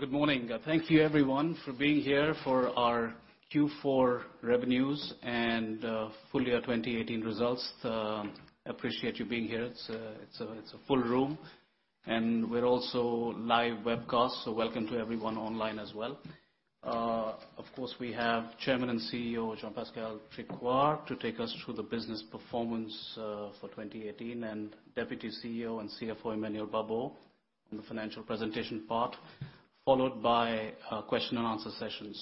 Good morning. Thank you everyone for being here for our Q4 revenues and full year 2018 results. Appreciate you being here. It is a full room, and we are also live webcast. Welcome to everyone online as well. Of course, we have Chairman and CEO, Jean-Pascal Tricoire, to take us through the business performance for 2018, and Deputy CEO and CFO, Emmanuel Babeau, on the financial presentation part, followed by a question and answer session.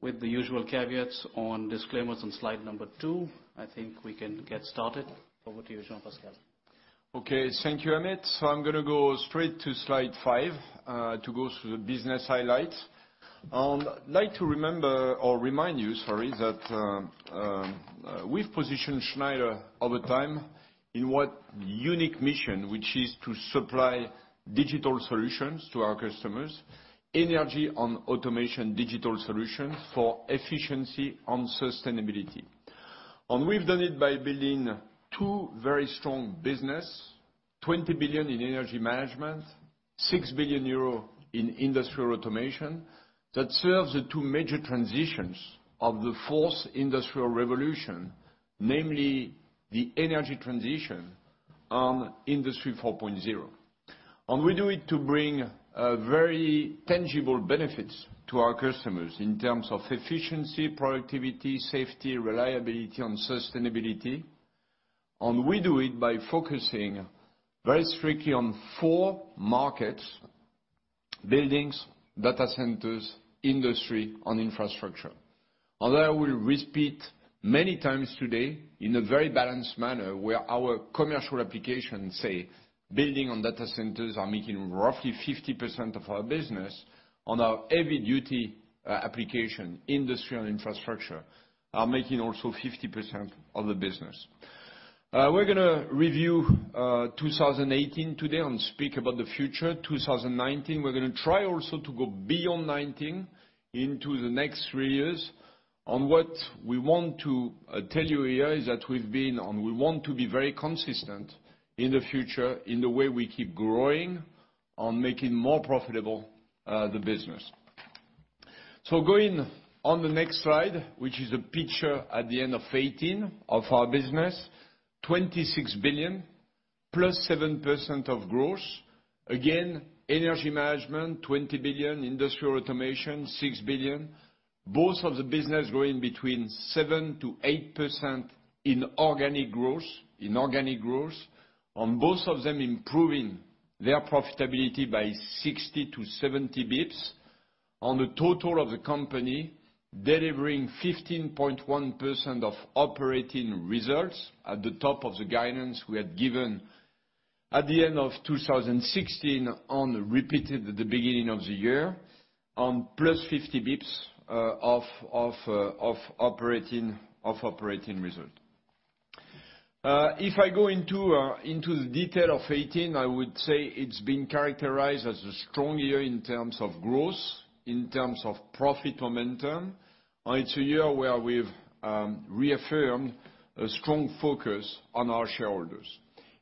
With the usual caveats on disclaimers on slide two, I think we can get started. Over to you, Jean-Pascal. Okay. Thank you, Amit. I am going to go straight to slide five to go through the business highlights. Like to remember or remind you, sorry, that we have positioned Schneider Electric over time in what unique mission, which is to supply digital solutions to our customers, energy and automation digital solutions for efficiency and sustainability. We have done it by building two very strong businesses, 20 billion in Energy Management, 6 billion euro in Industrial Automation, that serves the two major transitions of the fourth industrial revolution, namely the energy transition and Industry 4.0. We do it to bring very tangible benefits to our customers in terms of efficiency, productivity, safety, reliability, and sustainability. We do it by focusing very strictly on four markets, buildings, data centers, industry, and infrastructure. I will repeat many times today in a very balanced manner, where our commercial applications, say, building and data centers, are making roughly 50% of our business and our heavy duty application, industry, and infrastructure are making also 50% of the business. We are going to review 2018 today and speak about the future, 2019. We are going to try also to go beyond 2019 into the next three years. What we want to tell you here is that we have been. We want to be very consistent in the future in the way we keep growing, and making more profitable the business. Going on the next slide, which is a picture at the end of 2018 of our business, 26 billion plus 7% of growth. Again, Energy Management, 20 billion, Industrial Automation, 6 billion. Both of the businesses growing between 7%-8% in organic growth, and both of them improving their profitability by 60 to 70 basis points and the total of the company, delivering 15.1% of operating results at the top of the guidance we had given at the end of 2016 and repeated at the beginning of the year, and plus 50 basis points of operating result. If I go into the detail of 2018, I would say it has been characterized as a strong year in terms of growth, in terms of profit momentum. It is a year where we have reaffirmed a strong focus on our shareholders.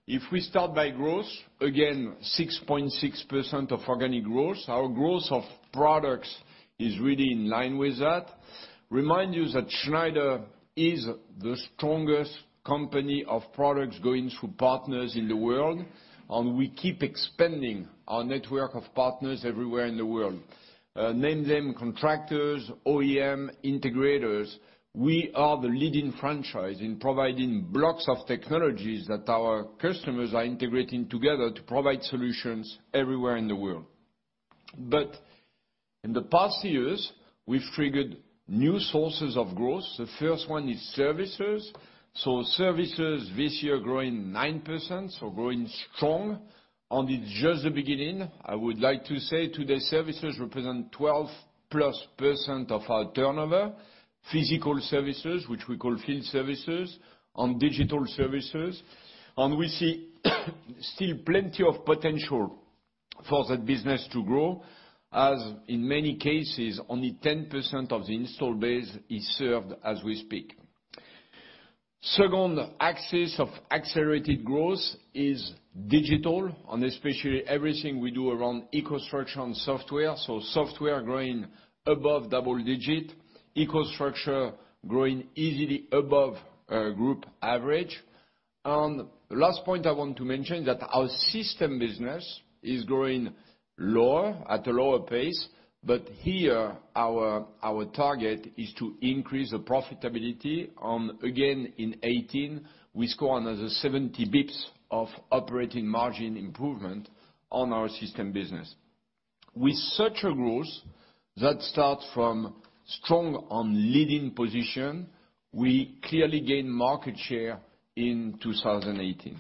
If we start by growth, again, 6.6% of organic growth. Our growth of products is really in line with that. Remind you that Schneider is the strongest company of products going through partners in the world. We keep expanding our network of partners everywhere in the world. Name them, contractors, OEM, integrators. We are the leading franchise in providing blocks of technologies that our customers are integrating together to provide solutions everywhere in the world. In the past years, we've triggered new sources of growth. The first one is services. Services this year growing 9%, growing strong, and it's just the beginning. I would like to say today, services represent 12-plus % of our turnover. Physical services, which we call field services, and digital services. We see still plenty of potential for that business to grow, as in many cases, only 10% of the install base is served as we speak. Second axis of accelerated growth is digital, especially everything we do around EcoStruxure and software. Software growing above double digit, EcoStruxure growing easily above group average. Last point I want to mention that our system business is growing lower, at a lower pace. Here, our target is to increase the profitability on, again, in 2018, we score another 70 basis points of operating margin improvement on our system business. With such a growth that start from strong on leading position, we clearly gain market share in 2018.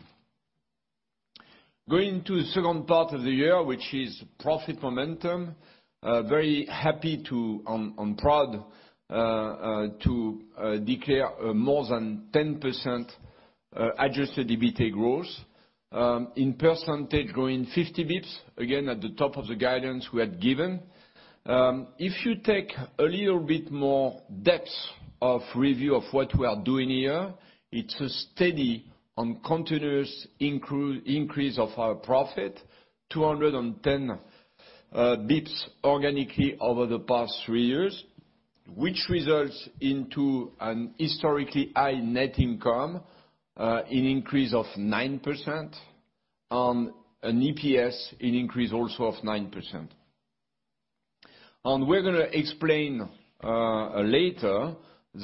Going to the second part of the year, which is profit momentum. Very happy to, and proud to declare more than 10% adjusted EBITDA growth. In percentage, growing 50 basis points, again, at the top of the guidance we had given. If you take a little bit more depth of review of what we are doing here, it's a steady and continuous increase of our profit, 210 basis points organically over the past three years, which results into an historically high net income, an increase of 9%, on an EPS, an increase also of 9%. We're going to explain later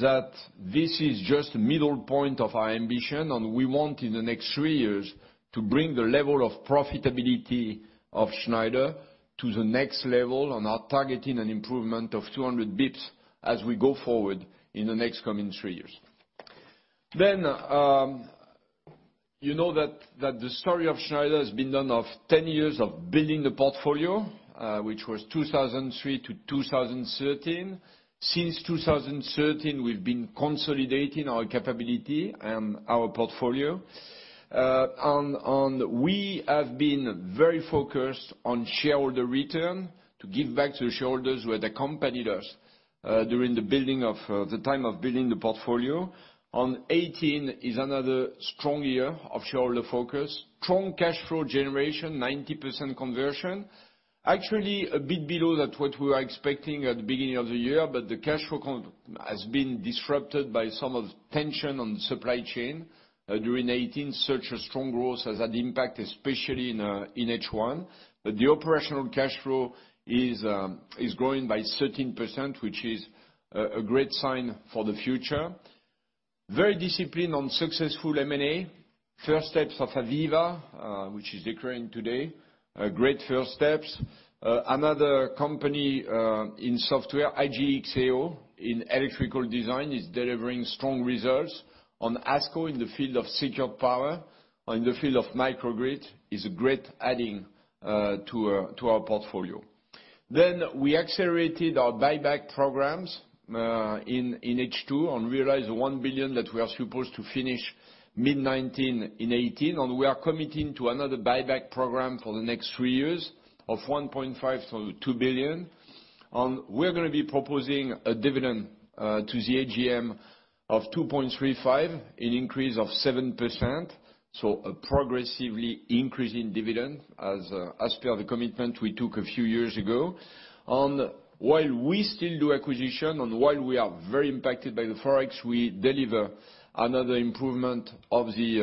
that this is just the middle point of our ambition. We want in the next three years to bring the level of profitability of Schneider to the next level, and are targeting an improvement of 200 basis points as we go forward in the next coming three years. You know that the story of Schneider has been done of 10 years of building the portfolio, which was 2003 to 2013. Since 2013, we've been consolidating our capability and our portfolio. We have been very focused on shareholder return to give back to the shareholders who had accompanied us during the time of building the portfolio. 2018 is another strong year of shareholder focus. Strong cash flow generation, 90% conversion. Actually, a bit below that what we were expecting at the beginning of the year, the cash flow has been disrupted by some of tension on the supply chain during 2018. Such a strong growth has had impact, especially in H1. The operational cash flow is growing by 13%, which is a great sign for the future. Very disciplined on successful M&A. First steps of AVEVA, which is declaring today, great first steps. Another company in software, IGE+XAO, in electrical design, is delivering strong results on ASCO in the field of Secure Power, in the field of microgrid is a great adding to our portfolio. We accelerated our buyback programs in H2 and realized the 1 billion that we are supposed to finish mid 2019 and 2018, and we are committing to another buyback program for the next three years of 1.5 billion-2 billion. We are going to be proposing a dividend to the AGM of 2.35, an increase of 7%, a progressively increasing dividend as per the commitment we took a few years ago. While we still do acquisition and while we are very impacted by the Forex, we deliver another improvement of the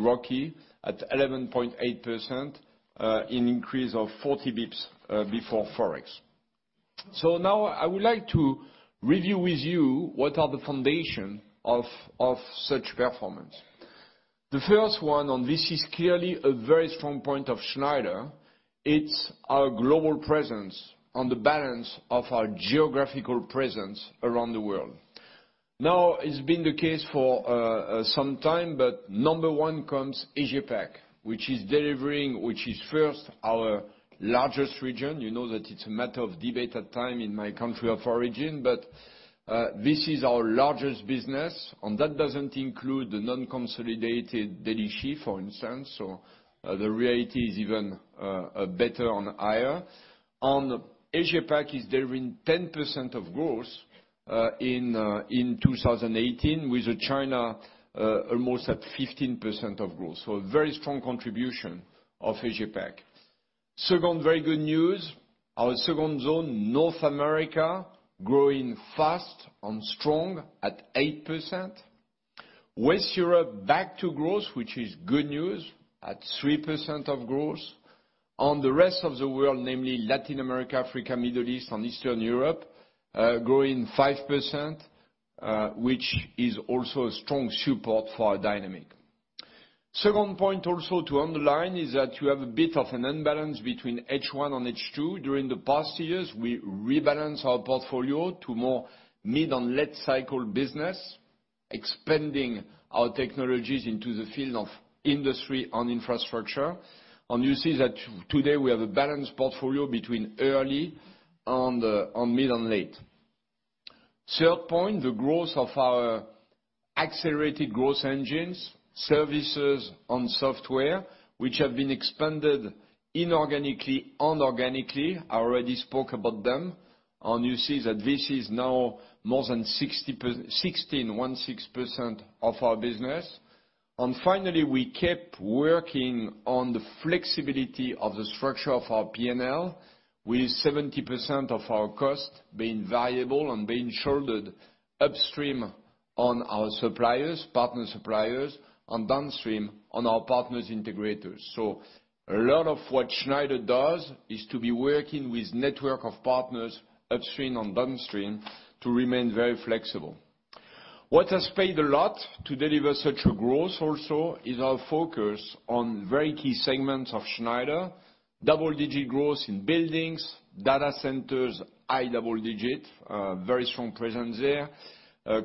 ROCE at 11.8%, an increase of 40 basis points before Forex. Now I would like to review with you what are the foundation of such performance. The first one, and this is clearly a very strong point of Schneider, it's our global presence and the balance of our geographical presence around the world. Now, it's been the case for some time, but number one comes Asia-Pac, which is first our largest region. You know that it's a matter of debate at time in my country of origin, but this is our largest business, and that doesn't include the non-consolidated Delixi, for instance, so the reality is even better and higher. Asia-Pac is delivering 10% of growth in 2018, with China almost at 15% of growth. A very strong contribution of Asia-Pac. Second very good news, our second zone, North America, growing fast and strong at 8%. West Europe back to growth, which is good news, at 3% of growth. On the rest of the world, namely Latin America, Africa, Middle East, and Eastern Europe, growing 5%, which is also a strong support for our dynamic. Second point also to underline is that you have a bit of an imbalance between H1 and H2. During the past years, we rebalanced our portfolio to more mid and late cycle business, expanding our technologies into the field of industry and infrastructure. You see that today we have a balanced portfolio between early and mid and late. Third point, the growth of our accelerated growth engines, services and software, which have been expanded inorganically and organically. I already spoke about them. You see that this is now more than 16.16% of our business. Finally, we kept working on the flexibility of the structure of our P&L, with 70% of our cost being variable and being shouldered upstream on our suppliers, partner suppliers, and downstream on our partners integrators. A lot of what Schneider does is to be working with network of partners upstream and downstream to remain very flexible. What has paid a lot to deliver such a growth also is our focus on very key segments of Schneider. Double-digit growth in buildings, data centers, high double digit, very strong presence there.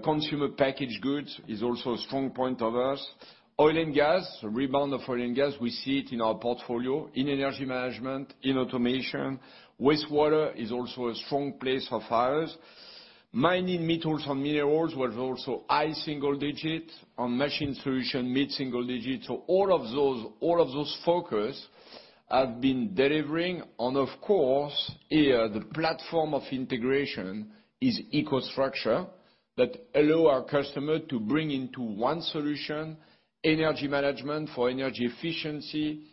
Consumer packaged goods is also a strong point of ours. Oil and gas, the rebound of oil and gas, we see it in our portfolio, in Energy Management, in Industrial Automation. Wastewater is also a strong place of ours. Mining metals and minerals was also high single digit. On machine solution, mid-single digit. All of those focus have been delivering. Of course, here, the platform of integration is EcoStruxure that allow our customer to bring into one solution energy management for energy efficiency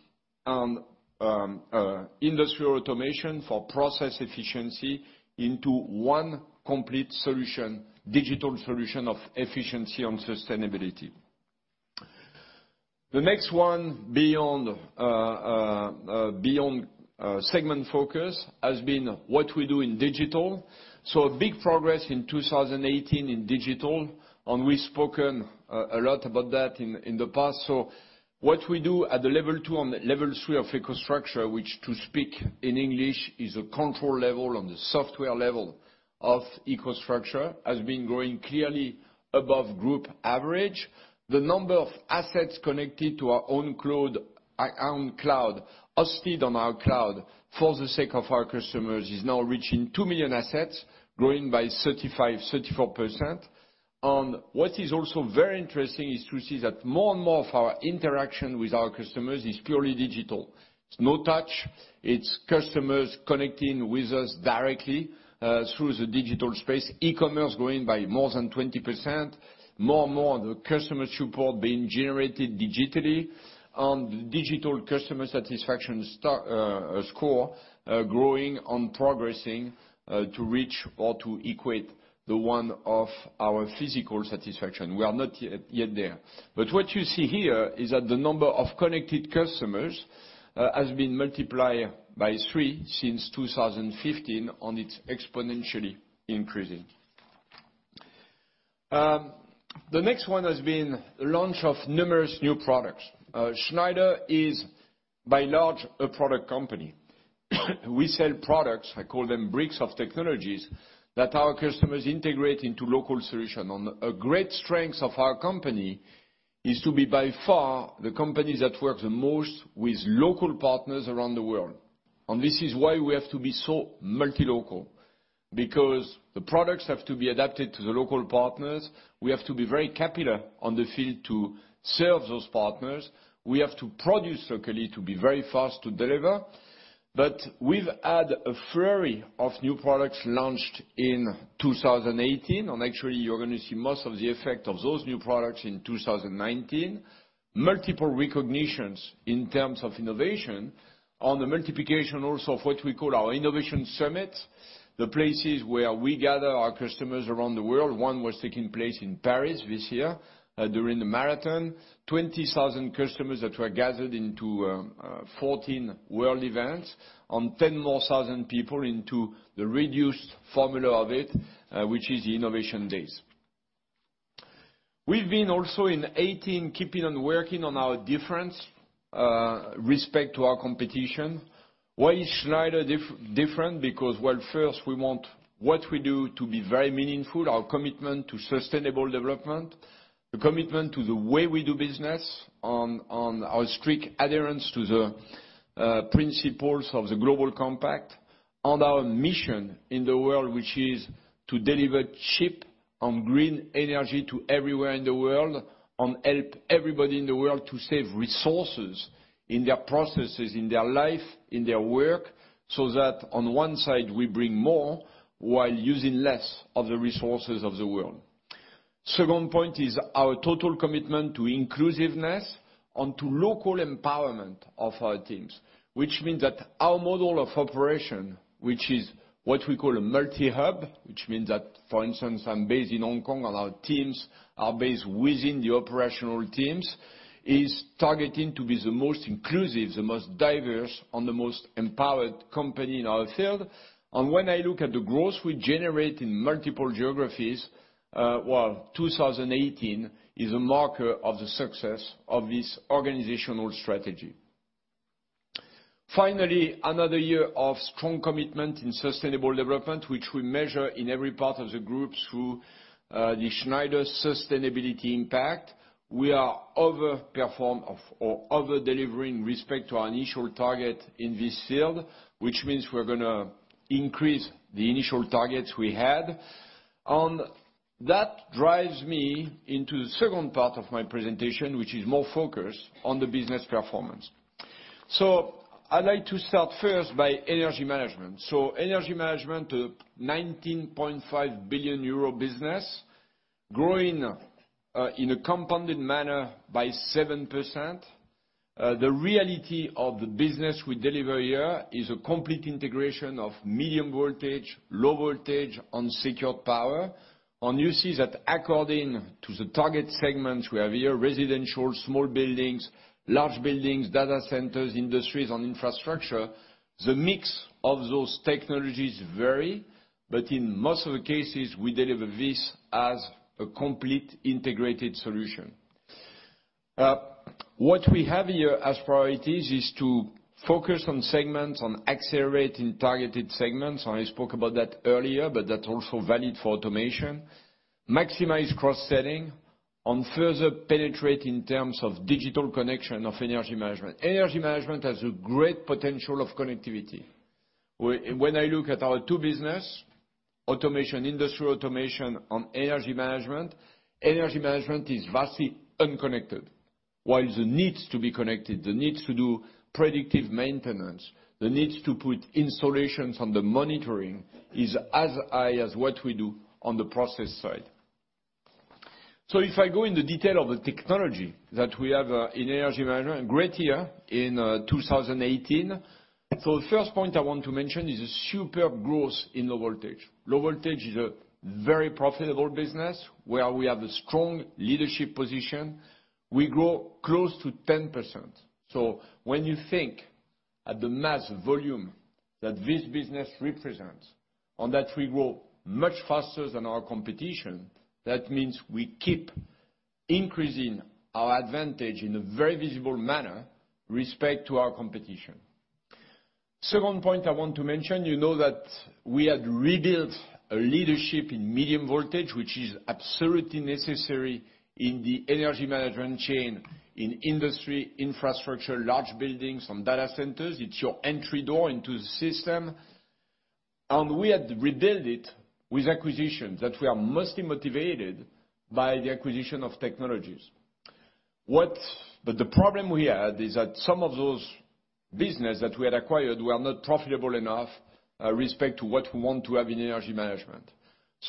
and industrial automation for process efficiency into one complete solution, digital solution of efficiency and sustainability. The next one, beyond segment focus, has been what we do in digital. So a big progress in 2018 in digital, and we've spoken a lot about that in the past. So what we do at the level 2 and level 3 of EcoStruxure, which to speak in English is a control level and the software level of EcoStruxure, has been growing clearly above group average. The number of assets connected to our own cloud, hosted on our cloud for the sake of our customers, is now reaching 2 million assets, growing by 34%. And what is also very interesting is to see that more and more of our interaction with our customers is purely digital. It's no touch. It's customers connecting with us directly, through the digital space. E-commerce growing by more than 20%. More and more of the customer support being generated digitally. And digital customer satisfaction score growing and progressing, to reach or to equate the one of our physical satisfaction. We are not yet there. But what you see here is that the number of connected customers has been multiplied by three since 2015, and it's exponentially increasing. The next one has been launch of numerous new products. Schneider is by and large a product company. We sell products, I call them bricks of technologies, that our customers integrate into local solution. And a great strength of our company is to be by far the company that works the most with local partners around the world. And this is why we have to be so multi-local, because the products have to be adapted to the local partners. We have to be very capable on the field to serve those partners. We have to produce locally to be very fast to deliver. But we've had a flurry of new products launched in 2018, and actually, you're going to see most of the effect of those new products in 2019. Multiple recognitions in terms of innovation, and the multiplication also of what we call our Innovation Summits, the places where we gather our customers around the world. One was taking place in Paris this year, during the marathon. Twenty thousand customers that were gathered into 14 world events, and 10,000 more people into the reduced formula of it, which is the Innovation Days. We've been also in 2018 keeping on working on our difference, respect to our competition. Why is Schneider different? Because, well, first, we want what we do to be very meaningful, our commitment to sustainable development, a commitment to the way we do business on our strict adherence to the principles of the Global Compact, and our mission in the world, which is to deliver cheap and green energy to everywhere in the world and help everybody in the world to save resources in their processes, in their life, in their work, so that on one side, we bring more while using less of the resources of the world. Second point is our total commitment to inclusiveness and to local empowerment of our teams, which means that our model of operation, which is what we call a multi-hub, which means that, for instance, I'm based in Hong Kong and our teams are based within the operational teams, is targeting to be the most inclusive, the most diverse, and the most empowered company in our field. When I look at the growth we generate in multiple geographies, well, 2018 is a marker of the success of this organizational strategy. Finally, another year of strong commitment in sustainable development, which we measure in every part of the group through the Schneider Sustainability Impact. We are over-delivering respect to our initial target in this field, which means we're going to increase the initial targets we had. That drives me into the second part of my presentation, which is more focused on the business performance. I like to start first by Energy Management. Energy Management, a 19.5 billion euro business, growing in a compounded manner by 7%. The reality of the business we deliver here is a complete integration of medium voltage, low voltage, and Secure Power. You see that according to the target segments we have here, residential, small buildings, large buildings, data centers, industries, and infrastructure, the mix of those technologies vary, but in most of the cases, we deliver this as a complete integrated solution. What we have here as priorities is to focus on segments, on accelerating targeted segments. I spoke about that earlier, but that's also valid for automation. Maximize cross-selling. Further penetrate in terms of digital connection of Energy Management. Energy Management has a great potential of connectivity. When I look at our two business, Industrial Automation, and Energy Management, Energy Management is vastly unconnected. While there needs to be connected, there needs to do predictive maintenance, there needs to put installations on the monitoring, is as high as what we do on the process side. If I go in the detail of the technology that we have in Energy Management, a great year in 2018. The first point I want to mention is a superb growth in low voltage. Low voltage is a very profitable business where we have a strong leadership position. We grow close to 10%. When you think at the mass volume that this business represents, on that we grow much faster than our competition, that means we keep increasing our advantage in a very visible manner, respect to our competition. Second point I want to mention, you know that we had rebuilt a leadership in medium voltage, which is absolutely necessary in the Energy Management chain in industry, infrastructure, large buildings, on data centers. It's your entry door into the system. We had rebuild it with acquisitions, that we are mostly motivated by the acquisition of technologies. The problem we had is that some of those business that we had acquired were not profitable enough, respect to what we want to have in Energy Management.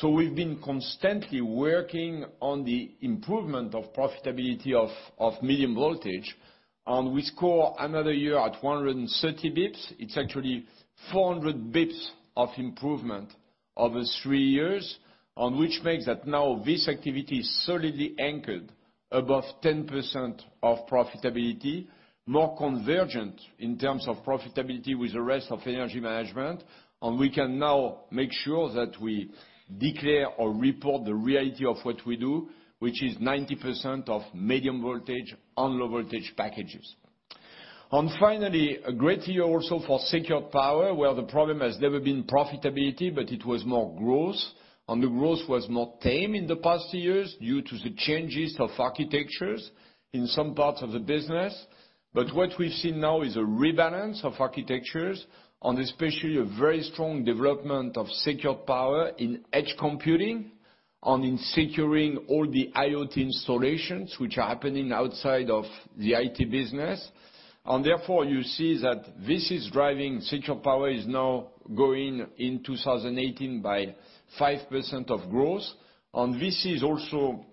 We've been constantly working on the improvement of profitability of medium voltage, and we score another year at 130 basis points. It's actually 400 basis points of improvement over three years, on which makes that now this activity is solidly anchored above 10% of profitability. More convergent in terms of profitability with the rest of Energy Management. We can now make sure that we declare or report the reality of what we do, which is 90% of medium voltage and low voltage packages. Finally, a great year also for Secure Power, where the problem has never been profitability, but it was more growth. The growth was more tame in the past years due to the changes of architectures in some parts of the business. What we've seen now is a rebalance of architectures, and especially a very strong development of Secure Power in edge computing, and in securing all the IoT installations which are happening outside of the IT business. Therefore, you see that this is driving Secure Power is now growing in 2018 by 5% of growth. This is also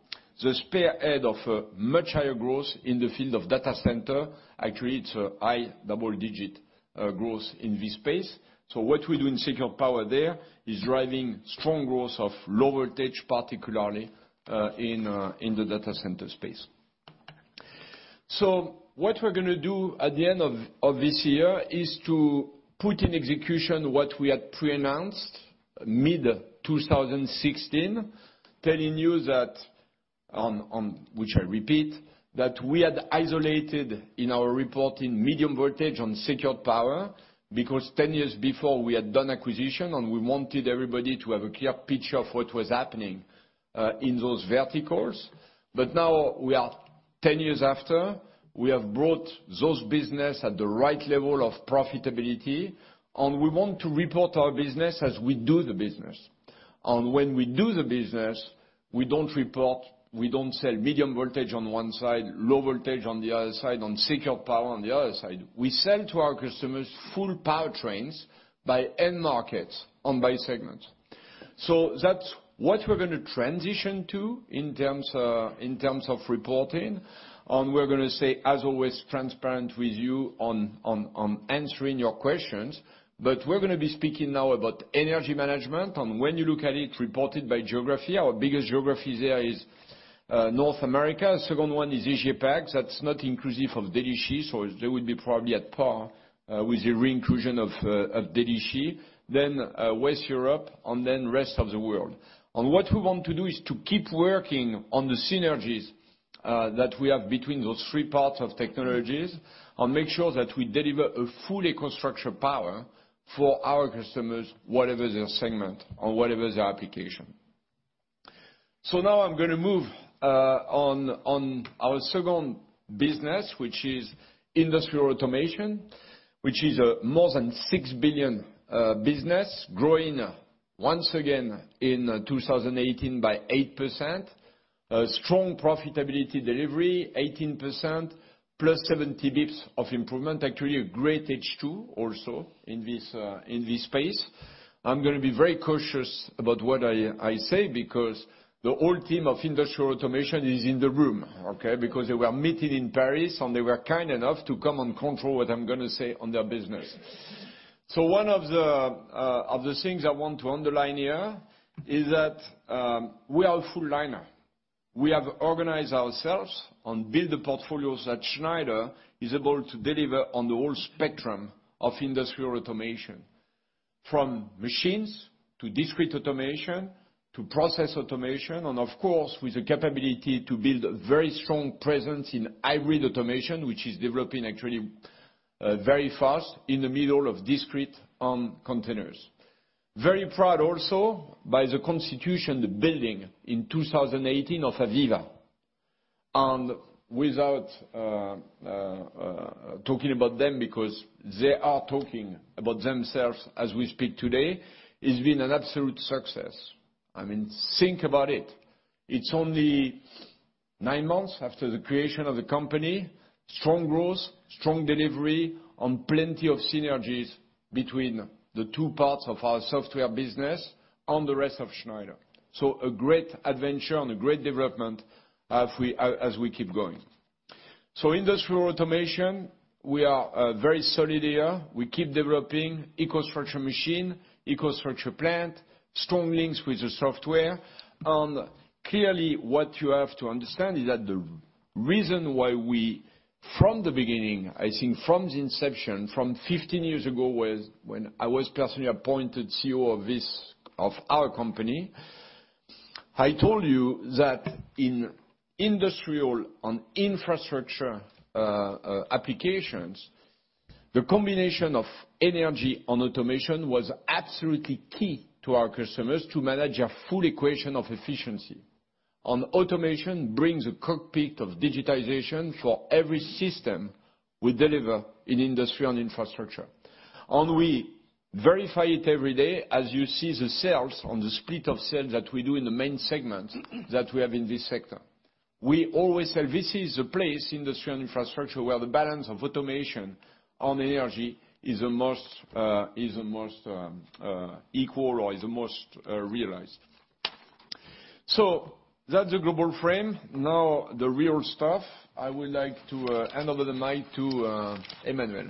the spearhead of a much higher growth in the field of data center. Actually, it's a high double-digit growth in this space. What we do in Secure Power there is driving strong growth of low voltage, particularly, in the data center space. What we're going to do at the end of this year is to put in execution what we had pre-announced mid 2016, telling you that, which I repeat, that we had isolated in our reporting medium voltage and Secure Power, because 10 years before we had done acquisition, and we wanted everybody to have a clear picture of what was happening, in those verticals. Now we are 10 years after, we have brought those business at the right level of profitability, and we want to report our business as we do the business. When we do the business, we don't report, we don't sell medium voltage on one side, low voltage on the other side, and Secure Power on the other side. We sell to our customers full powertrains by end markets and by segments. That's what we're going to transition to in terms of reporting. We're going to say, as always, transparent with you on answering your questions. We're going to be speaking now about Energy Management, and when you look at it reported by geography, our biggest geographies there is, North America. Second one is Asia-Pac. That's not inclusive of Delixi, so they would be probably at par, with the re-inclusion of Delixi. Then West Europe, and then rest of the world. What we want to do is to keep working on the synergies that we have between those three parts of technologies and make sure that we deliver a full EcoStruxure Power for our customers, whatever their segment or whatever their application. Now I'm going to move on our second business, which is Industrial Automation, which is a more than 6 billion business, growing once again in 2018 by 8%. A strong profitability delivery, 18% plus 70 basis points of improvement. Actually, a great H2 also in this space. I'm going to be very cautious about what I say because the whole team of Industrial Automation is in the room, okay? They were meeting in Paris, and they were kind enough to come and control what I'm going to say on their business. One of the things I want to underline here is that we are full liner. We have organized ourselves and built the portfolios that Schneider is able to deliver on the whole spectrum of Industrial Automation, from machines to discrete automation to process automation, and of course, with the capability to build a very strong presence in hybrid automation, which is developing actually very fast in the middle of discrete and continuous. Very proud also by the constitution, the building in 2018 of AVEVA. Without talking about them, because they are talking about themselves as we speak today, it's been an absolute success. Think about it. It's only nine months after the creation of the company, strong growth, strong delivery, and plenty of synergies between the two parts of our software business, and the rest of Schneider. A great adventure and a great development as we keep going. Industrial automation, we are very solid here. We keep developing EcoStruxure Machine, EcoStruxure Plant, strong links with the software. Clearly, what you have to understand is that the reason why we, from the beginning, I think from the inception, from 15 years ago, when I was personally appointed CEO of our company, I told you that in industrial and infrastructure applications, the combination of energy and automation was absolutely key to our customers to manage a full equation of efficiency. Automation brings a cockpit of digitization for every system we deliver in industry and infrastructure. We verify it every day as you see the sales on the split of sales that we do in the main segments that we have in this sector. We always say this is the place, industry and infrastructure, where the balance of automation and energy is the most equal or is the most realized. That's the global frame. Now the real stuff. I would like to hand over the mic to Emmanuel.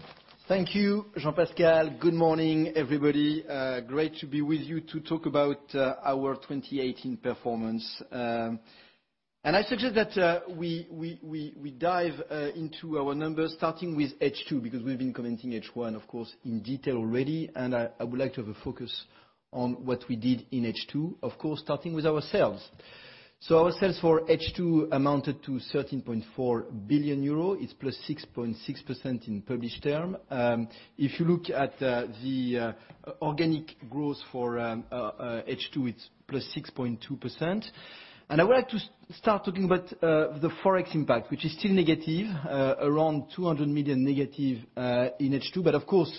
Thank you, Jean-Pascal. Good morning, everybody. Great to be with you to talk about our 2018 performance. I suggest that we dive into our numbers starting with H2, because we've been commenting H1, of course, in detail already, and I would like to have a focus on what we did in H2, of course, starting with our sales. Our sales for H2 amounted to €13.4 billion. It's plus 6.6% in published term. If you look at the organic growth for H2, it's plus 6.2%. I would like to start talking about the Forex impact, which is still negative, around 200 million negative in H2, but of course,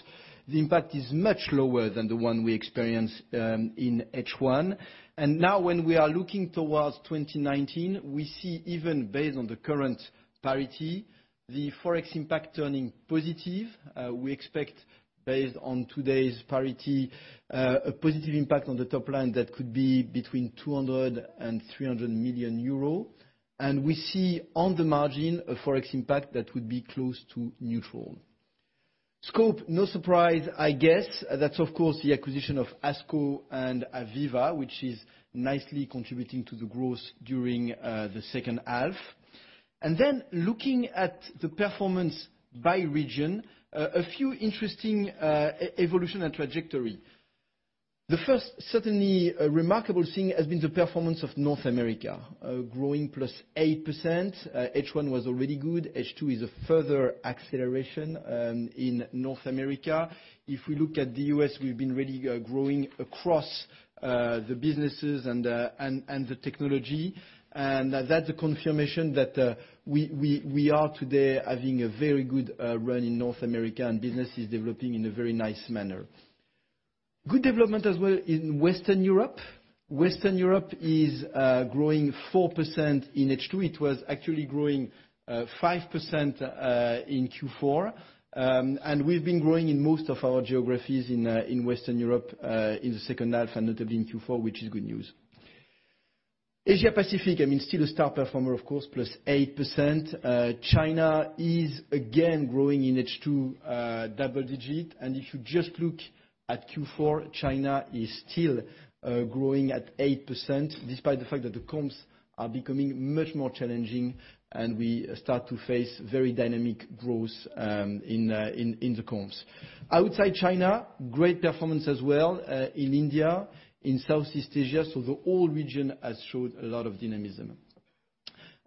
the impact is much lower than the one we experienced in H1. Now when we are looking towards 2019, we see even based on the current parity, the Forex impact turning positive. We expect based on today's parity, a positive impact on the top line that could be between 200 million euros and 300 million euro. We see on the margin a Forex impact that would be close to neutral. Scope, no surprise, I guess. That is, of course, the acquisition of ASCO and AVEVA, which is nicely contributing to the growth during the second half. Looking at the performance by region, a few interesting evolution and trajectory. The first certainly remarkable thing has been the performance of North America, growing +8%. H1 was already good. H2 is a further acceleration in North America. If we look at the U.S., we have been really growing across the businesses and the technology, and that is a confirmation that we are today having a very good run in North America, and business is developing in a very nice manner. Good development as well in Western Europe. Western Europe is growing 4% in H2. It was actually growing 5% in Q4. We have been growing in most of our geographies in Western Europe in the second half and notably in Q4, which is good news. Asia Pacific, still a star performer, of course, +8%. China is again growing in H2 double-digit. If you just look at Q4, China is still growing at 8%, despite the fact that the comps are becoming much more challenging, and we start to face very dynamic growth in the comps. Outside China, great performance as well in India, in Southeast Asia. The whole region has showed a lot of dynamism.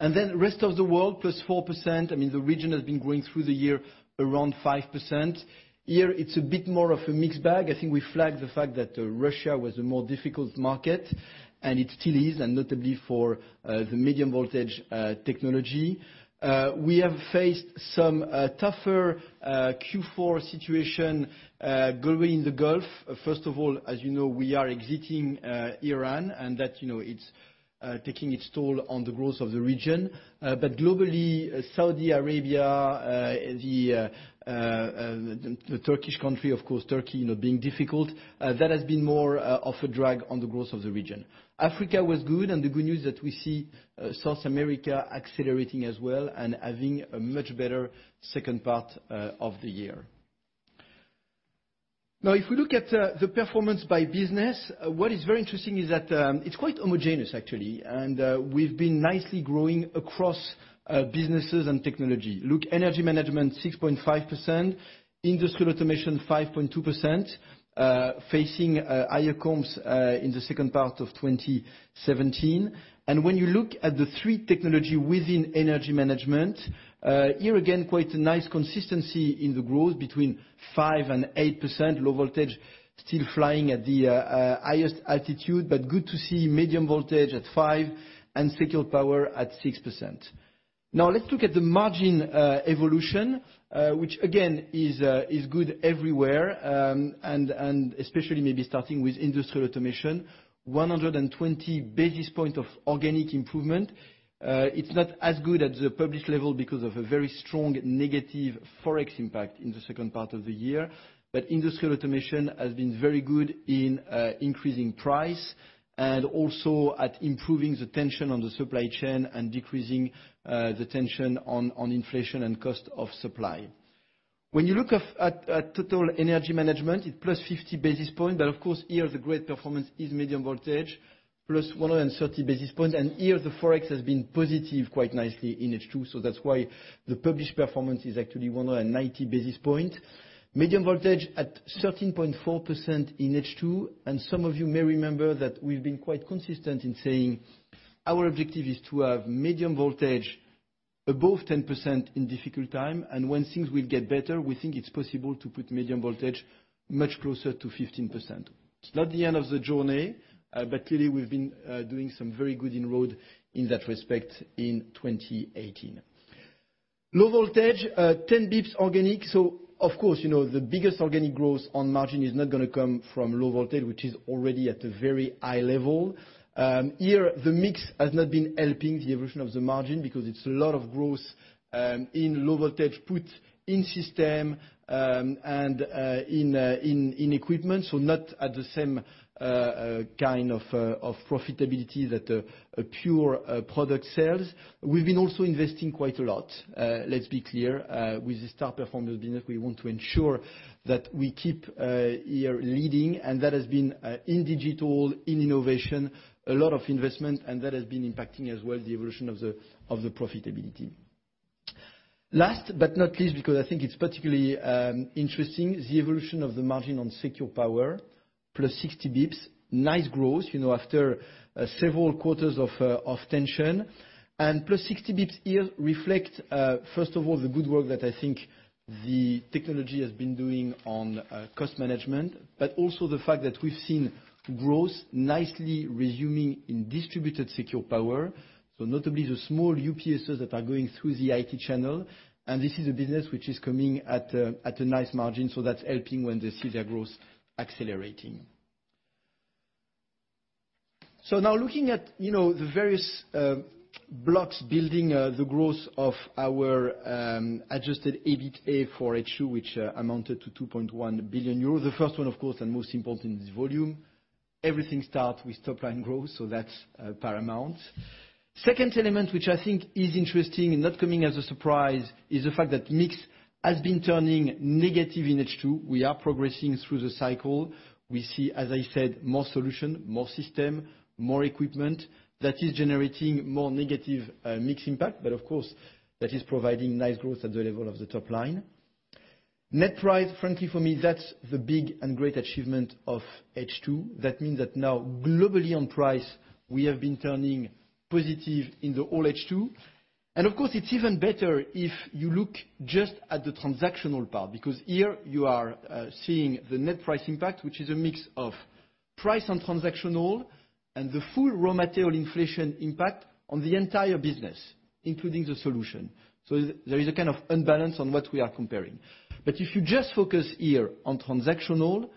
Rest of the world, +4%. The region has been growing through the year around 5%. Here, it is a bit more of a mixed bag. I think we flagged the fact that Russia was a more difficult market, and it still is, and notably for the medium voltage technology. We have faced some tougher Q4 situation growing in the Gulf. First of all, as you know, we are exiting Iran, and that it is taking its toll on the growth of the region. Globally, Saudi Arabia, the Turkish country, of course, Turkey being difficult, that has been more of a drag on the growth of the region. Africa was good, the good news that we see South America accelerating as well and having a much better second part of the year. If we look at the performance by business, what is very interesting is that it is quite homogeneous actually, and we have been nicely growing across businesses and technology. Look, Energy Management, 6.5%, Industrial Automation, 5.2%, facing higher comps in the second part of 2017. When you look at the three technology within Energy Management, here again, quite a nice consistency in the growth between 5% and 8%. Low voltage still flying at the highest altitude, but good to see medium voltage at 5% and Secure Power at 6%. Let us look at the margin evolution, which again is good everywhere, and especially maybe starting with Industrial Automation, 120 basis points of organic improvement. It is not as good at the published level because of a very strong negative Forex impact in the second part of the year. Industrial Automation has been very good in increasing price and also at improving the tension on the supply chain and decreasing the tension on inflation and cost of supply. When you look at total Energy Management, it plus 50 basis points. Of course here the great performance is medium voltage, +130 basis points. Here the Forex has been positive quite nicely in H2, that's why the published performance is actually 190 basis points. Medium voltage at 13.4% in H2. Some of you may remember that we've been quite consistent in saying our objective is to have medium voltage above 10% in difficult time. When things will get better, we think it's possible to put medium voltage much closer to 15%. It's not the end of the journey, clearly we've been doing some very good inroads in that respect in 2018. Low voltage, 10 basis points organic. Of course, the biggest organic growth on margin is not going to come from low voltage, which is already at a very high level. Here, the mix has not been helping the evolution of the margin because it's a lot of growth in low voltage put in system and in equipment, not at the same kind of profitability that a pure product sells. We've been also investing quite a lot. Let's be clear. With the star performance business, we want to ensure that we keep here leading. That has been in digital, in innovation, a lot of investment. That has been impacting as well the evolution of the profitability. Last but not least, because I think it's particularly interesting, the evolution of the margin on Secure Power, +60 basis points, nice growth, after several quarters of tension. +60 basis points here reflect, first of all, the good work that I think the technology has been doing on cost management, also the fact that we've seen growth nicely resuming in distributed Secure Power, notably the small UPSs that are going through the IT channel. This is a business which is coming at a nice margin, that's helping when they see their growth accelerating. Now looking at the various blocks building the growth of our adjusted EBITDA for H2, which amounted to 2.1 billion euros. The first one, of course, most important is volume. Everything start with top line growth, that's paramount. Second element, which I think is interesting not coming as a surprise is the fact that mix has been turning negative in H2. We are progressing through the cycle. We see, as I said, more solution, more system, more equipment that is generating more negative mix impact. Of course, that is providing nice growth at the level of the top line. Net price, frankly, for me, that's the big great achievement of H2. That means that now globally on price, we have been turning positive in the whole H2. Of course, it's even better if you look just at the transactional part, because here you are seeing the net price impact, which is a mix of price on transactional the full raw material inflation impact on the entire business, including the solution. There is a kind of unbalance on what we are comparing. If you just focus here on transactional,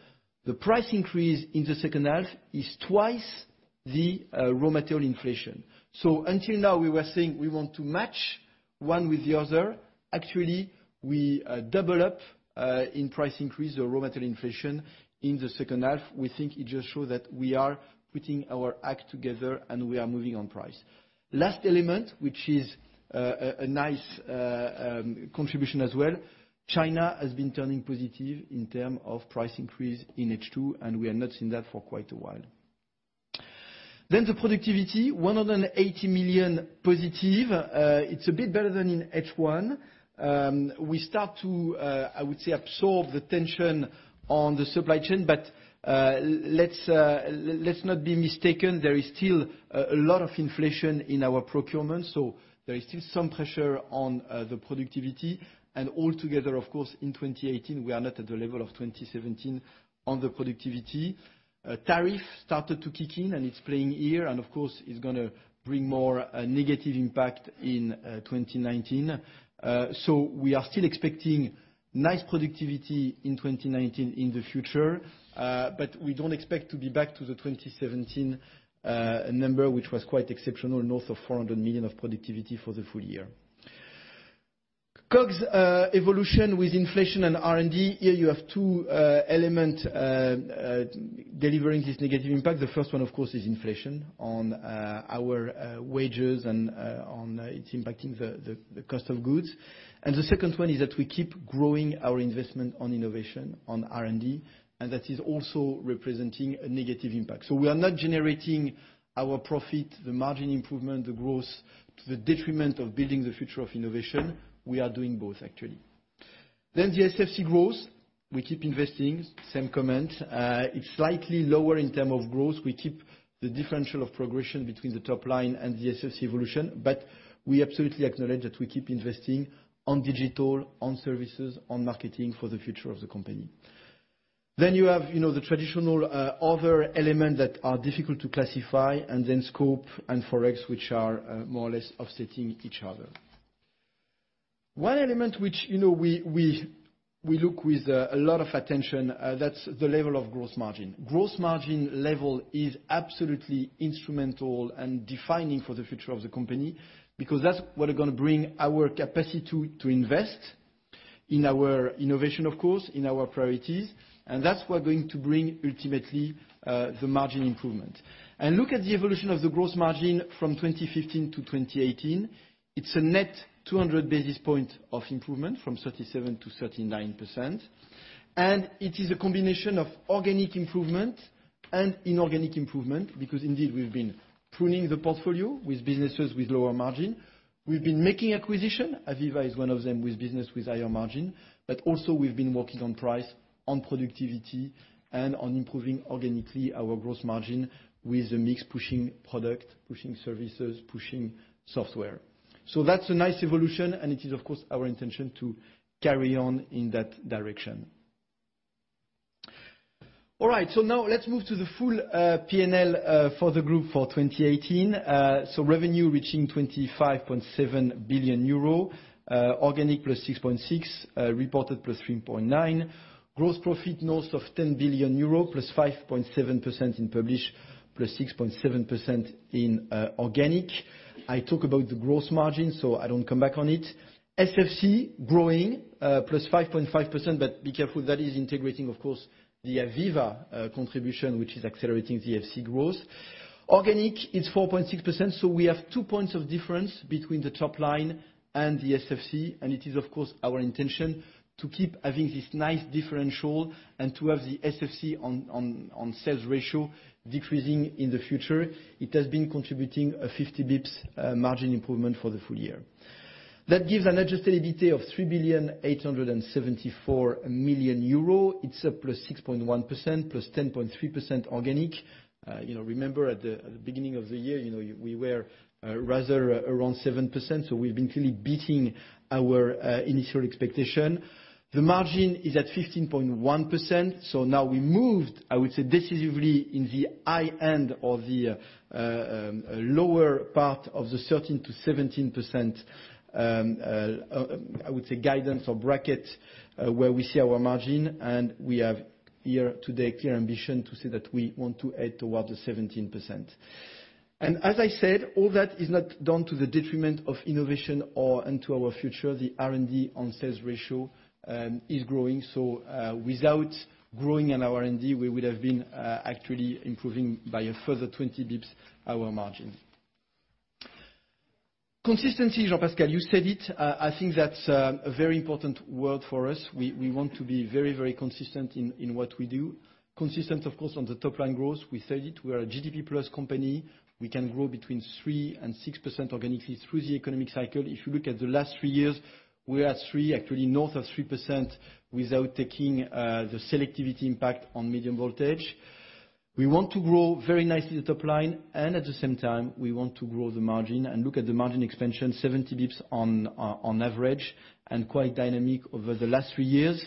the price increase in the second half is twice the raw material inflation. Until now we were saying we want to match one with the other. Actually, we double up in price increase the raw material inflation in the second half. We think it just shows that we are putting our act together and we are moving on price. Last element, which is a nice contribution as well, China has been turning positive in term of price increase in H2, we have not seen that for quite a while. The productivity, 180 million positive. It's a bit better than in H1. We start to, I would say, absorb the tension on the supply chain, but let's not be mistaken, there is still a lot of inflation in our procurement, there is still some pressure on the productivity. Altogether, of course, in 2018, we are not at the level of 2017 on the productivity. Tariff started to kick in, it's playing here, of course, is going to bring more negative impact in 2019. We are still expecting nice productivity in 2019 in the future. We don't expect to be back to the 2017 number, which was quite exceptional, north of 400 million of productivity for the full year. COGS evolution with inflation and R&D, here you have two element delivering this negative impact. The first one, of course, is inflation on our wages and it's impacting the cost of goods. The second one is that we keep growing our investment on innovation, on R&D, and that is also representing a negative impact. We are not generating our profit, the margin improvement, the growth to the detriment of building the future of innovation. We are doing both actually. The SFC growth, we keep investing, same comment. It's slightly lower in term of growth. We keep the differential of progression between the top line and the SFC evolution, but we absolutely acknowledge that we keep investing on digital, on services, on marketing for the future of the company. You have the traditional other elements that are difficult to classify, and then scope and ForEx, which are more or less offsetting each other. One element which we look with a lot of attention, that's the level of gross margin. Gross margin level is absolutely instrumental and defining for the future of the company, because that's what is going to bring our capacity to invest in our innovation, of course, in our priorities. That's what is going to bring, ultimately, the margin improvement. Look at the evolution of the gross margin from 2015 to 2018. It's a net 200 basis point of improvement from 37% to 39%, it is a combination of organic improvement and inorganic improvement because indeed, we've been pruning the portfolio with businesses with lower margin. We've been making acquisition, AVEVA is one of them, with business with higher margin. Also we've been working on price, on productivity, and on improving organically our gross margin with the mix pushing product, pushing services, pushing software. That's a nice evolution, it is, of course, our intention to carry on in that direction. All right. Now let's move to the full P&L for the group for 2018. Revenue reaching 25.7 billion euro, organic plus 6.6%, reported plus 3.9%. Gross profit north of 10 billion euros, plus 5.7% in publish, plus 6.7% in organic. I talk about the gross margin, I don't come back on it. SFC growing, +5.5%. Be careful, that is integrating, of course, the AVEVA contribution, which is accelerating the FC growth. Organic is 4.6%. We have two points of difference between the top line and the SFC. It is, of course, our intention to keep having this nice differential and to have the SFC on sales ratio decreasing in the future. It has been contributing a 50 basis points margin improvement for the full year. That gives an adjusted EBITDA of 3.874 billion. It's a +6.1%, +10.3% organic. Remember at the beginning of the year, we were rather around 7%. We've been clearly beating our initial expectation. The margin is at 15.1%. Now we moved, I would say, decisively in the high end of the lower part of the 13%-17%, I would say, guidance or bracket, where we see our margin. We have here today clear ambition to say that we want to head toward the 17%. As I said, all that is not down to the detriment of innovation or into our future. The R&D on sales ratio is growing. Without growing in our R&D, we would have been actually improving by a further 20 basis points our margin. Consistency, Jean-Pascal, you said it. I think that's a very important word for us. We want to be very consistent in what we do. Consistent, of course, on the top line growth. We said it, we are a GDP-plus company. We can grow between 3% and 6% organically through the economic cycle. If you look at the last three years, we are at three, actually north of 3% without taking the selectivity impact on medium voltage. We want to grow very nicely the top line. At the same time, we want to grow the margin and look at the margin expansion, 70 basis points on average and quite dynamic over the last three years.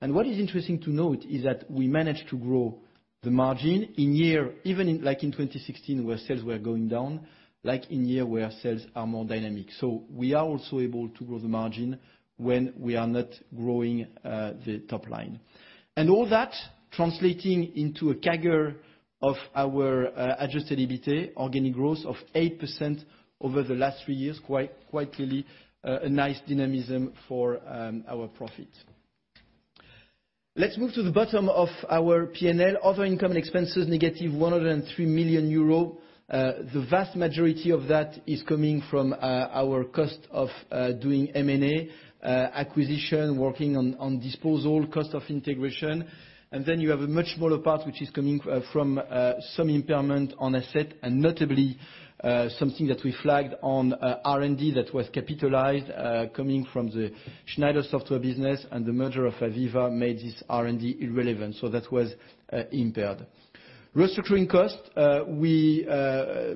What is interesting to note is that we managed to grow the margin in year, even like in 2016, where sales were going down, like in year where sales are more dynamic. We are also able to grow the margin when we are not growing the top line. All that translating into a CAGR of our adjusted EBITA, organic growth of 8% over the last three years, quite clearly a nice dynamism for our profit. Let's move to the bottom of our P&L. Other income expenses, negative 103 million euros. The vast majority of that is coming from our cost of doing M&A, acquisition, working on disposal, cost of integration. Then you have a much smaller part, which is coming from some impairment on asset and notably, something that we flagged on R&D that was capitalized, coming from the Schneider software business, and the merger of AVEVA made this R&D irrelevant, so that was impaired. Restructuring cost. We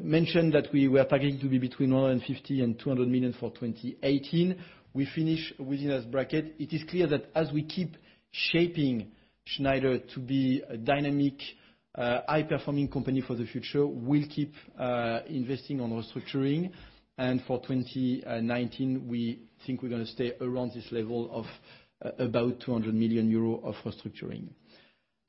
mentioned that we were targeting to be between 150 million and 200 million for 2018. We finish within this bracket. It is clear that as we keep shaping Schneider to be a dynamic, high-performing company for the future, we'll keep investing on restructuring. For 2019, we think we're going to stay around this level of about 200 million euro of restructuring.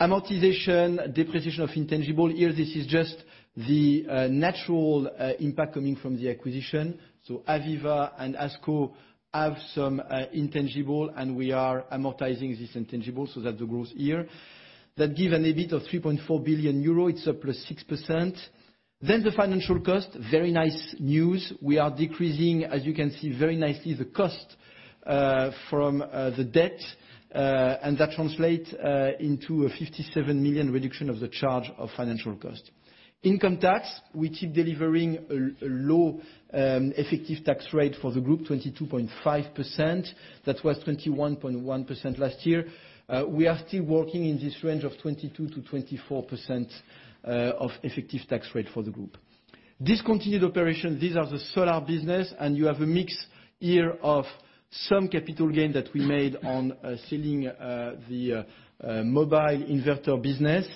Amortization, depreciation of intangible. Here, this is just the natural impact coming from the acquisition. AVEVA and ASCO have some intangible, and we are amortizing this intangible so that the growth here. That give an EBIT of 3.4 billion euro, it's up +6%. The financial cost, very nice news. We are decreasing, as you can see, very nicely the cost from the debt, and that translate into a 57 million reduction of the charge of financial cost. Income tax, we keep delivering a low effective tax rate for the group, 22.5%. That was 21.1% last year. We are still working in this range of 22%-24% of effective tax rate for the group. Discontinued operation. These are the solar business, and you have a mix here of some capital gain that we made on selling the mobile inverter business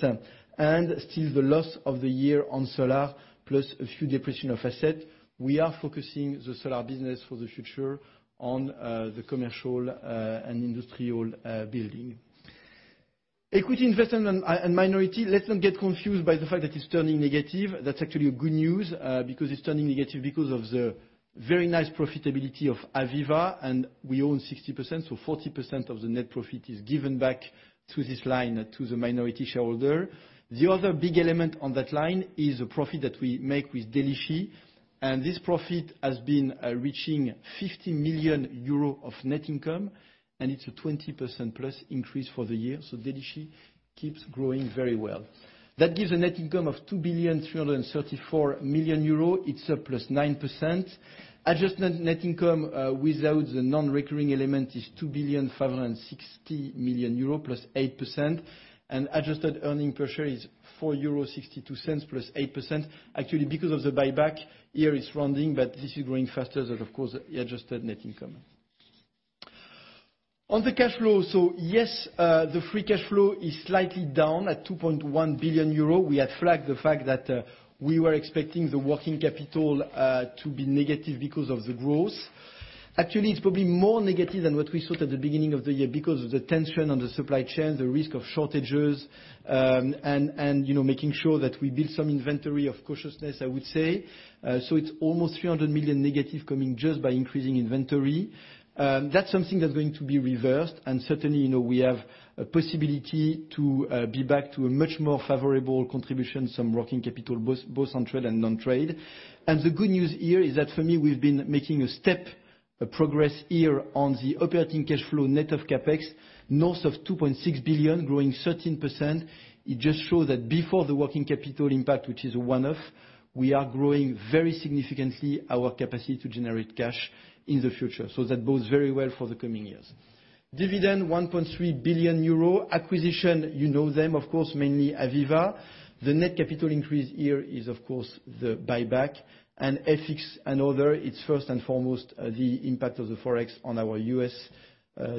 and still the loss of the year on solar plus a few depreciation of asset. We are focusing the solar business for the future on the commercial and industrial building. Equity investment and minority. Let's not get confused by the fact that it's turning negative. That's actually good news, because it's turning negative because of the very nice profitability of AVEVA, and we own 60%, so 40% of the net profit is given back to this line to the minority shareholder. The other big element on that line is the profit that we make with Delixi. This profit has been reaching 50 million euros of net income, and it's a 20%-plus increase for the year. Delixi keeps growing very well. That gives a net income of 2.334 billion euros. It's a +9%. Adjusted net income, without the non-recurring element, is 2.560 billion, +8%. Adjusted earning per share is 4.62 euro, +8%. Actually, because of the buyback, here it's rounding, but this is growing faster than, of course, the adjusted net income. On the cash flow, the free cash flow is slightly down at 2.1 billion euro. We had flagged the fact that we were expecting the working capital to be negative because of the growth. Actually, it's probably more negative than what we thought at the beginning of the year because of the tension on the supply chain, the risk of shortages, and making sure that we build some inventory of cautiousness, I would say. It's almost 300 million negative coming just by increasing inventory. That's something that's going to be reversed. Certainly, we have a possibility to be back to a much more favorable contribution, some working capital, both on trade and non-trade. The good news here is that for me, we've been making a step, a progress here on the operating cash flow net of CapEx, north of 2.6 billion, growing 13%. It just shows that before the working capital impact, which is a one-off, we are growing very significantly our capacity to generate cash in the future. That bodes very well for the coming years. Dividend, 1.3 billion euro. Acquisition, you know them, of course, mainly AVEVA. The net capital increase here is, of course, the buyback. It's first and foremost the impact of the Forex on our U.S.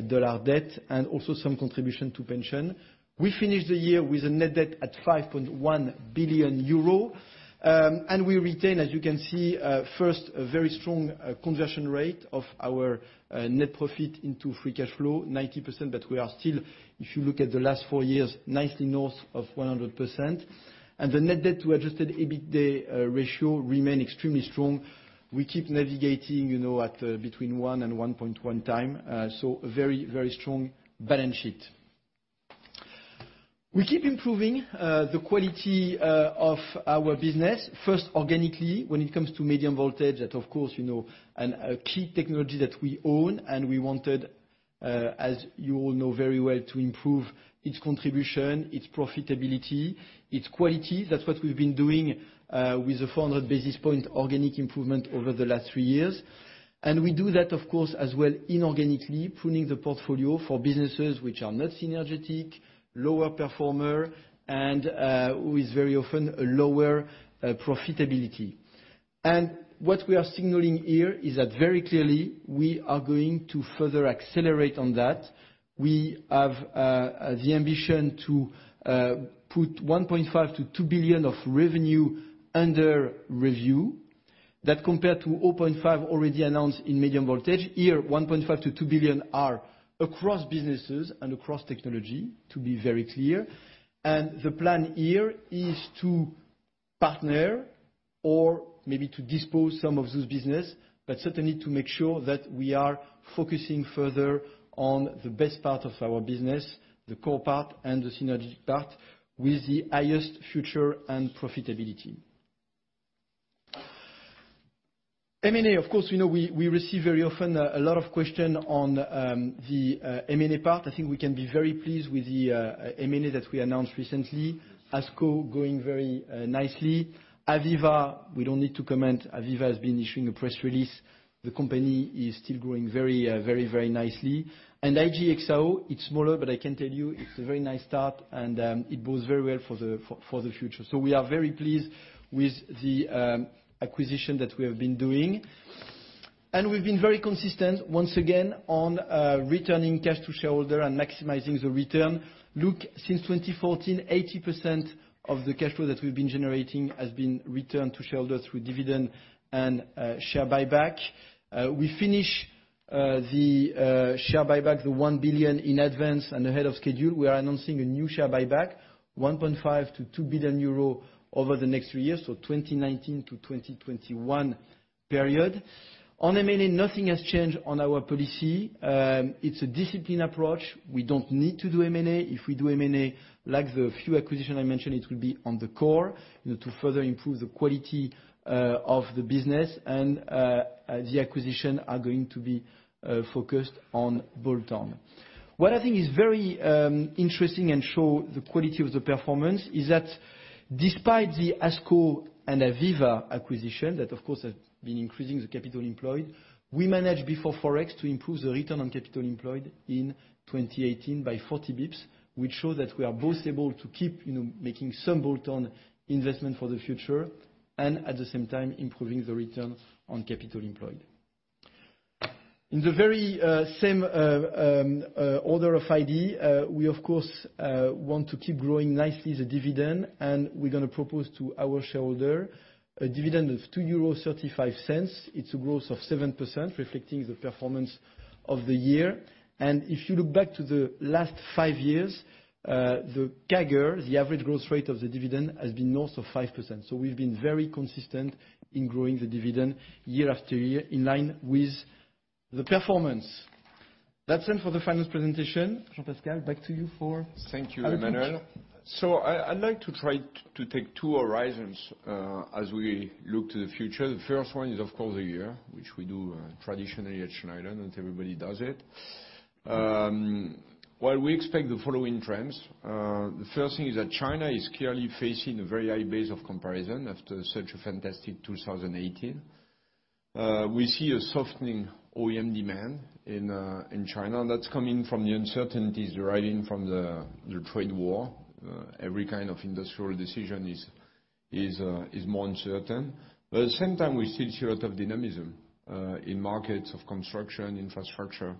dollar debt, also some contribution to pension. We finished the year with a net debt at 5.1 billion euro. We retain, as you can see, first, a very strong conversion rate of our net profit into free cash flow, 90%, but we are still, if you look at the last four years, nicely north of 100%. The net debt to adjusted EBITDA ratio remain extremely strong. We keep navigating at between one and 1.1 time. A very strong balance sheet. We keep improving the quality of our business. First, organically, when it comes to medium voltage, that of course, a key technology that we own and we wanted, as you all know very well, to improve its contribution, its profitability, its quality. That's what we've been doing with the 400 basis point organic improvement over the last three years. We do that, of course, as well inorganically, pruning the portfolio for businesses which are not synergetic, lower performer, and who is very often a lower profitability. What we are signaling here is that very clearly, we are going to further accelerate on that. We have the ambition to put 1.5 billion to 2 billion of revenue under review. That compared to 0.5 billion already announced in medium voltage. Here, 1.5 billion to 2 billion are across businesses and across technology, to be very clear. The plan here is to partner or maybe to dispose some of those business, but certainly to make sure that we are focusing further on the best part of our business, the core part and the synergic part, with the highest future and profitability. M&A, of course, we receive very often a lot of question on the M&A part. I think we can be very pleased with the M&A that we announced recently. ASCO growing very nicely. AVEVA, we don't need to comment. AVEVA has been issuing a press release. The company is still growing very nicely. IGE+XAO, it's smaller, but I can tell you it's a very nice start and it bodes very well for the future. We are very pleased with the acquisition that we have been doing. We've been very consistent, once again, on returning cash to shareholder and maximizing the return. Look, since 2014, 80% of the cash flow that we've been generating has been returned to shareholders through dividend and share buyback. We finish the share buyback, the $1 billion in advance and ahead of schedule. We are announcing a new share buyback, 1.5 billion to 2 billion euro over the next three years, so 2019 to 2021 period. On M&A, nothing has changed on our policy. It's a discipline approach. We don't need to do M&A. If we do M&A, like the few acquisition I mentioned, it will be on the core to further improve the quality of the business, and the acquisition are going to be focused on bolt-on. What I think is very interesting and show the quality of the performance is that despite the ASCO and AVEVA acquisition, that of course has been increasing the capital employed, we managed before Forex to improve the return on capital employed in 2018 by 40 basis points, which show that we are both able to keep making some bolt-on investment for the future, and at the same time, improving the return on capital employed. In the very same order of idea, we of course, want to keep growing nicely the dividend, and we are going to propose to our shareholder a dividend of 2.35 euros. It is a growth of 7%, reflecting the performance of the year. If you look back to the last five years, the CAGR, the average growth rate of the dividend, has been north of 5%. We have been very consistent in growing the dividend year after year in line with the performance. That is it for the finance presentation. Jean-Pascal, back to you for outlook. Thank you, Emmanuel. I would like to try to take two horizons as we look to the future. The first one is, of course, the year, which we do traditionally at Schneider, not everybody does it. While we expect the following trends, the first thing is that China is clearly facing a very high base of comparison after such a fantastic 2018. We see a softening OEM demand in China, that is coming from the uncertainties arising from the trade war. Every kind of industrial decision is more uncertain. At the same time, we still see a lot of dynamism, in markets of construction, infrastructure,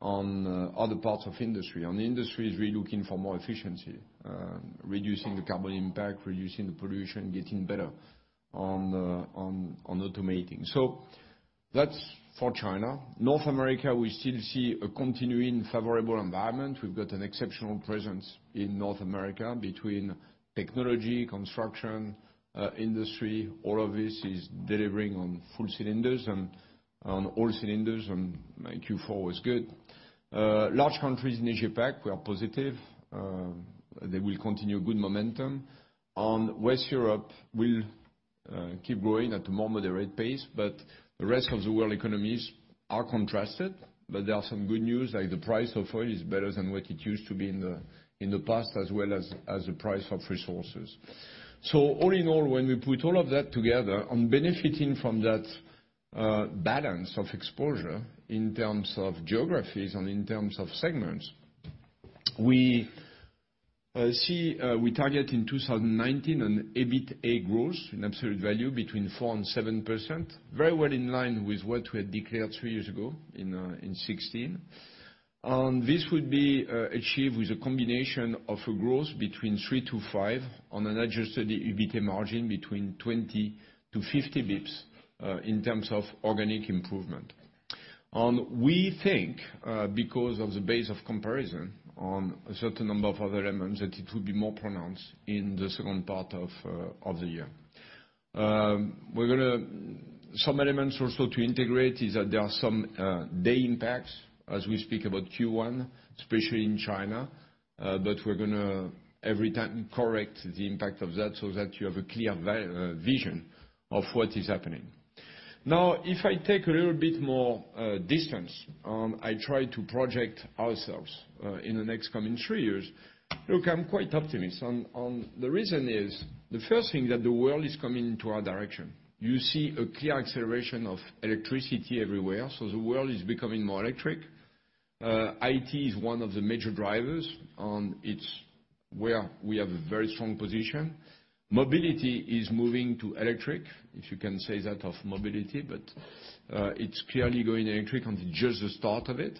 on other parts of industry, the industry is really looking for more efficiency, reducing the carbon impact, reducing the pollution, getting better on automating. That is for China. North America, we still see a continuing favorable environment. We have got an exceptional presence in North America between technology, construction, industry. All of this is delivering on all cylinders, and Q4 was good. Large countries in Asia Pac, we are positive. They will continue good momentum. Western Europe will keep growing at a more moderate pace, the rest of the world economies are contrasted, but there are some good news, like the price of oil is better than what it used to be in the past, as well as the price of resources. All in all, when we put all of that together on benefiting from that balance of exposure in terms of geographies and in terms of segments, we target in 2019 an EBITA growth in absolute value between 4% and 7%, very well in line with what we had declared three years ago in 2016. This would be achieved with a combination of a growth between 3%-5% on an adjusted EBITA margin between 20-50 basis points, in terms of organic improvement. We think, because of the base of comparison on a certain number of other elements, that it will be more pronounced in the second part of the year. Some elements also to integrate is that there are some day impacts as we speak about Q1, especially in China. We're going to every time correct the impact of that so that you have a clear vision of what is happening. If I take a little bit more distance, I try to project ourselves in the next coming 3 years. I'm quite optimistic. The reason is, the first thing that the world is coming to our direction. You see a clear acceleration of electricity everywhere, so the world is becoming more electric. IT is one of the major drivers, and it's where we have a very strong position. Mobility is moving to electric, if you can say that of mobility, but it's clearly going electric, and just the start of it.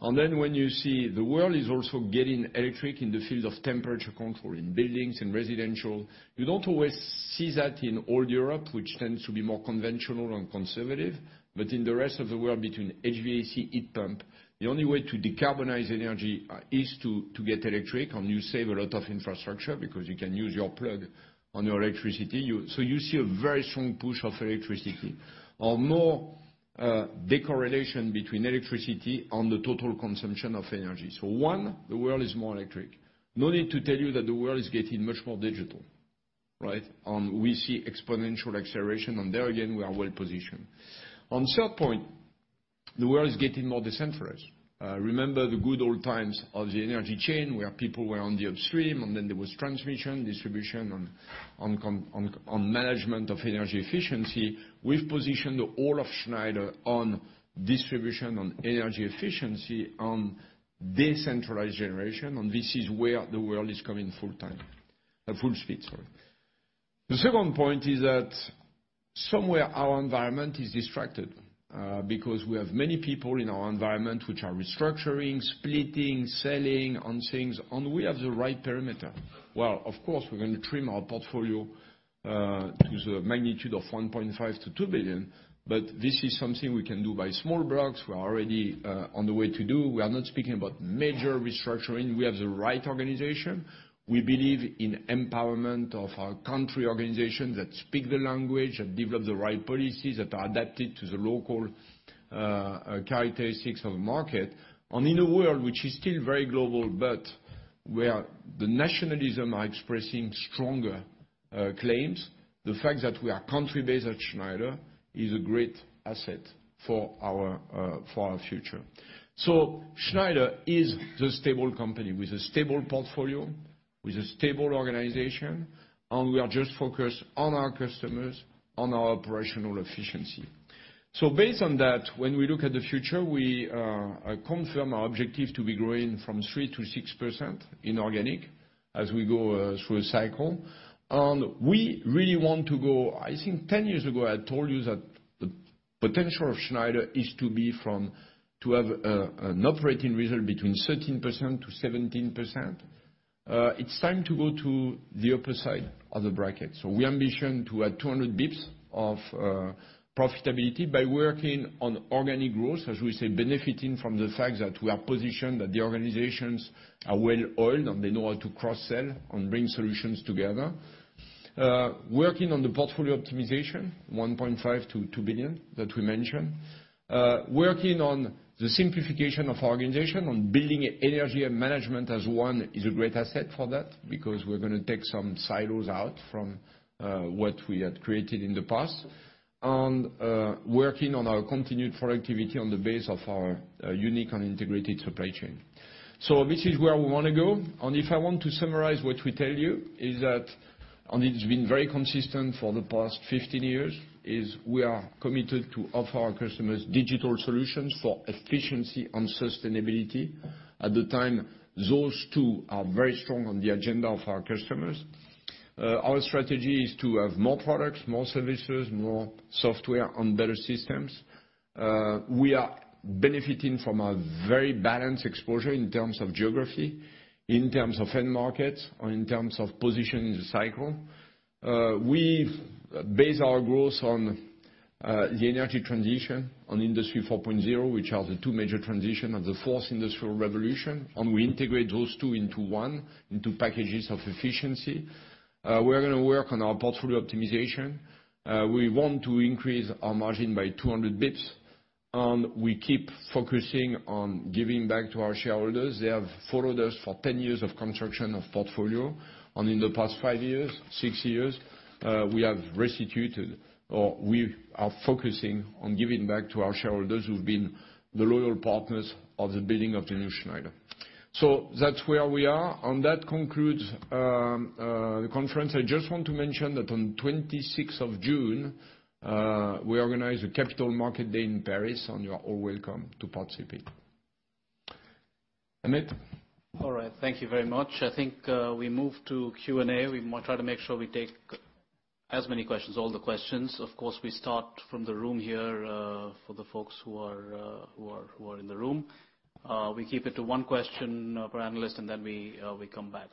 When you see the world is also getting electric in the field of temperature control in buildings and residential. You don't always see that in all Europe, which tends to be more conventional and conservative. In the rest of the world, between HVAC, heat pump, the only way to decarbonize energy is to get electric, and you save a lot of infrastructure because you can use your plug on your electricity. You see a very strong push of electricity or more decorrelation between electricity and the total consumption of energy. One, the world is more electric. No need to tell you that the world is getting much more digital. Right? We see exponential acceleration, and there again, we are well positioned. On third point, the world is getting more decentralized. Remember the good old times of the energy chain, where people were on the upstream, and then there was transmission, distribution and management of energy efficiency. We've positioned all of Schneider on distribution, on energy efficiency, on decentralized generation, and this is where the world is coming full time. At full speed, sorry. The second point is that somewhere our environment is distracted, because we have many people in our environment which are restructuring, splitting, selling, and things. We have the right perimeter. Of course, we're going to trim our portfolio, to the magnitude of 1.5 billion-2 billion, but this is something we can do by small blocks. We are already on the way to do. We are not speaking about major restructuring. We have the right organization. We believe in empowerment of our country organizations that speak the language and develop the right policies that are adapted to the local characteristics of the market. In a world which is still very global, but where the nationalism are expressing stronger claims, the fact that we are country-based at Schneider is a great asset for our future. Schneider is the stable company with a stable portfolio, with a stable organization, and we are just focused on our customers, on our operational efficiency. Based on that, when we look at the future, we confirm our objective to be growing from 3% to 6% in organic as we go through a cycle. We really want to go, I think 10 years ago, I told you that the potential of Schneider is to have an operating result between 13% to 17%. It's time to go to the upper side of the bracket. We ambition to add 200 basis points of profitability by working on organic growth, as we say, benefiting from the fact that we are positioned, that the organizations are well-oiled, and they know how to cross-sell and bring solutions together. Working on the portfolio optimization, 1.5 billion to 2 billion that we mentioned. Working on the simplification of organization, on building Energy Management as one is a great asset for that, because we're going to take some silos out from what we had created in the past. Working on our continued productivity on the base of our unique and integrated supply chain. This is where we want to go. If I want to summarize what we tell you is that, and it's been very consistent for the past 15 years, is we are committed to offer our customers digital solutions for efficiency and sustainability. At the time, those two are very strong on the agenda of our customers. Our strategy is to have more products, more services, more software, and better systems. We are benefiting from a very balanced exposure in terms of geography, in terms of end markets, or in terms of position in the cycle. We base our growth on the energy transition, on Industry 4.0, which are the two major transition of the fourth industrial revolution, and we integrate those two into one, into packages of efficiency. We're going to work on our portfolio optimization. We want to increase our margin by 200 basis points, and we keep focusing on giving back to our shareholders. They have followed us for 10 years of construction of portfolio, and in the past five years, six years, we have restituted, or we are focusing on giving back to our shareholders who've been the loyal partners of the building of the new Schneider. That's where we are, and that concludes the conference. I just want to mention that on the 26th of June, we organize a Capital Markets Day in Paris, and you are all welcome to participate. Amit? All right. Thank you very much. I think we move to Q&A. We try to make sure we take as many questions, all the questions. Of course, we start from the room here, for the folks who are in the room. We keep it to one question per analyst, and then we come back.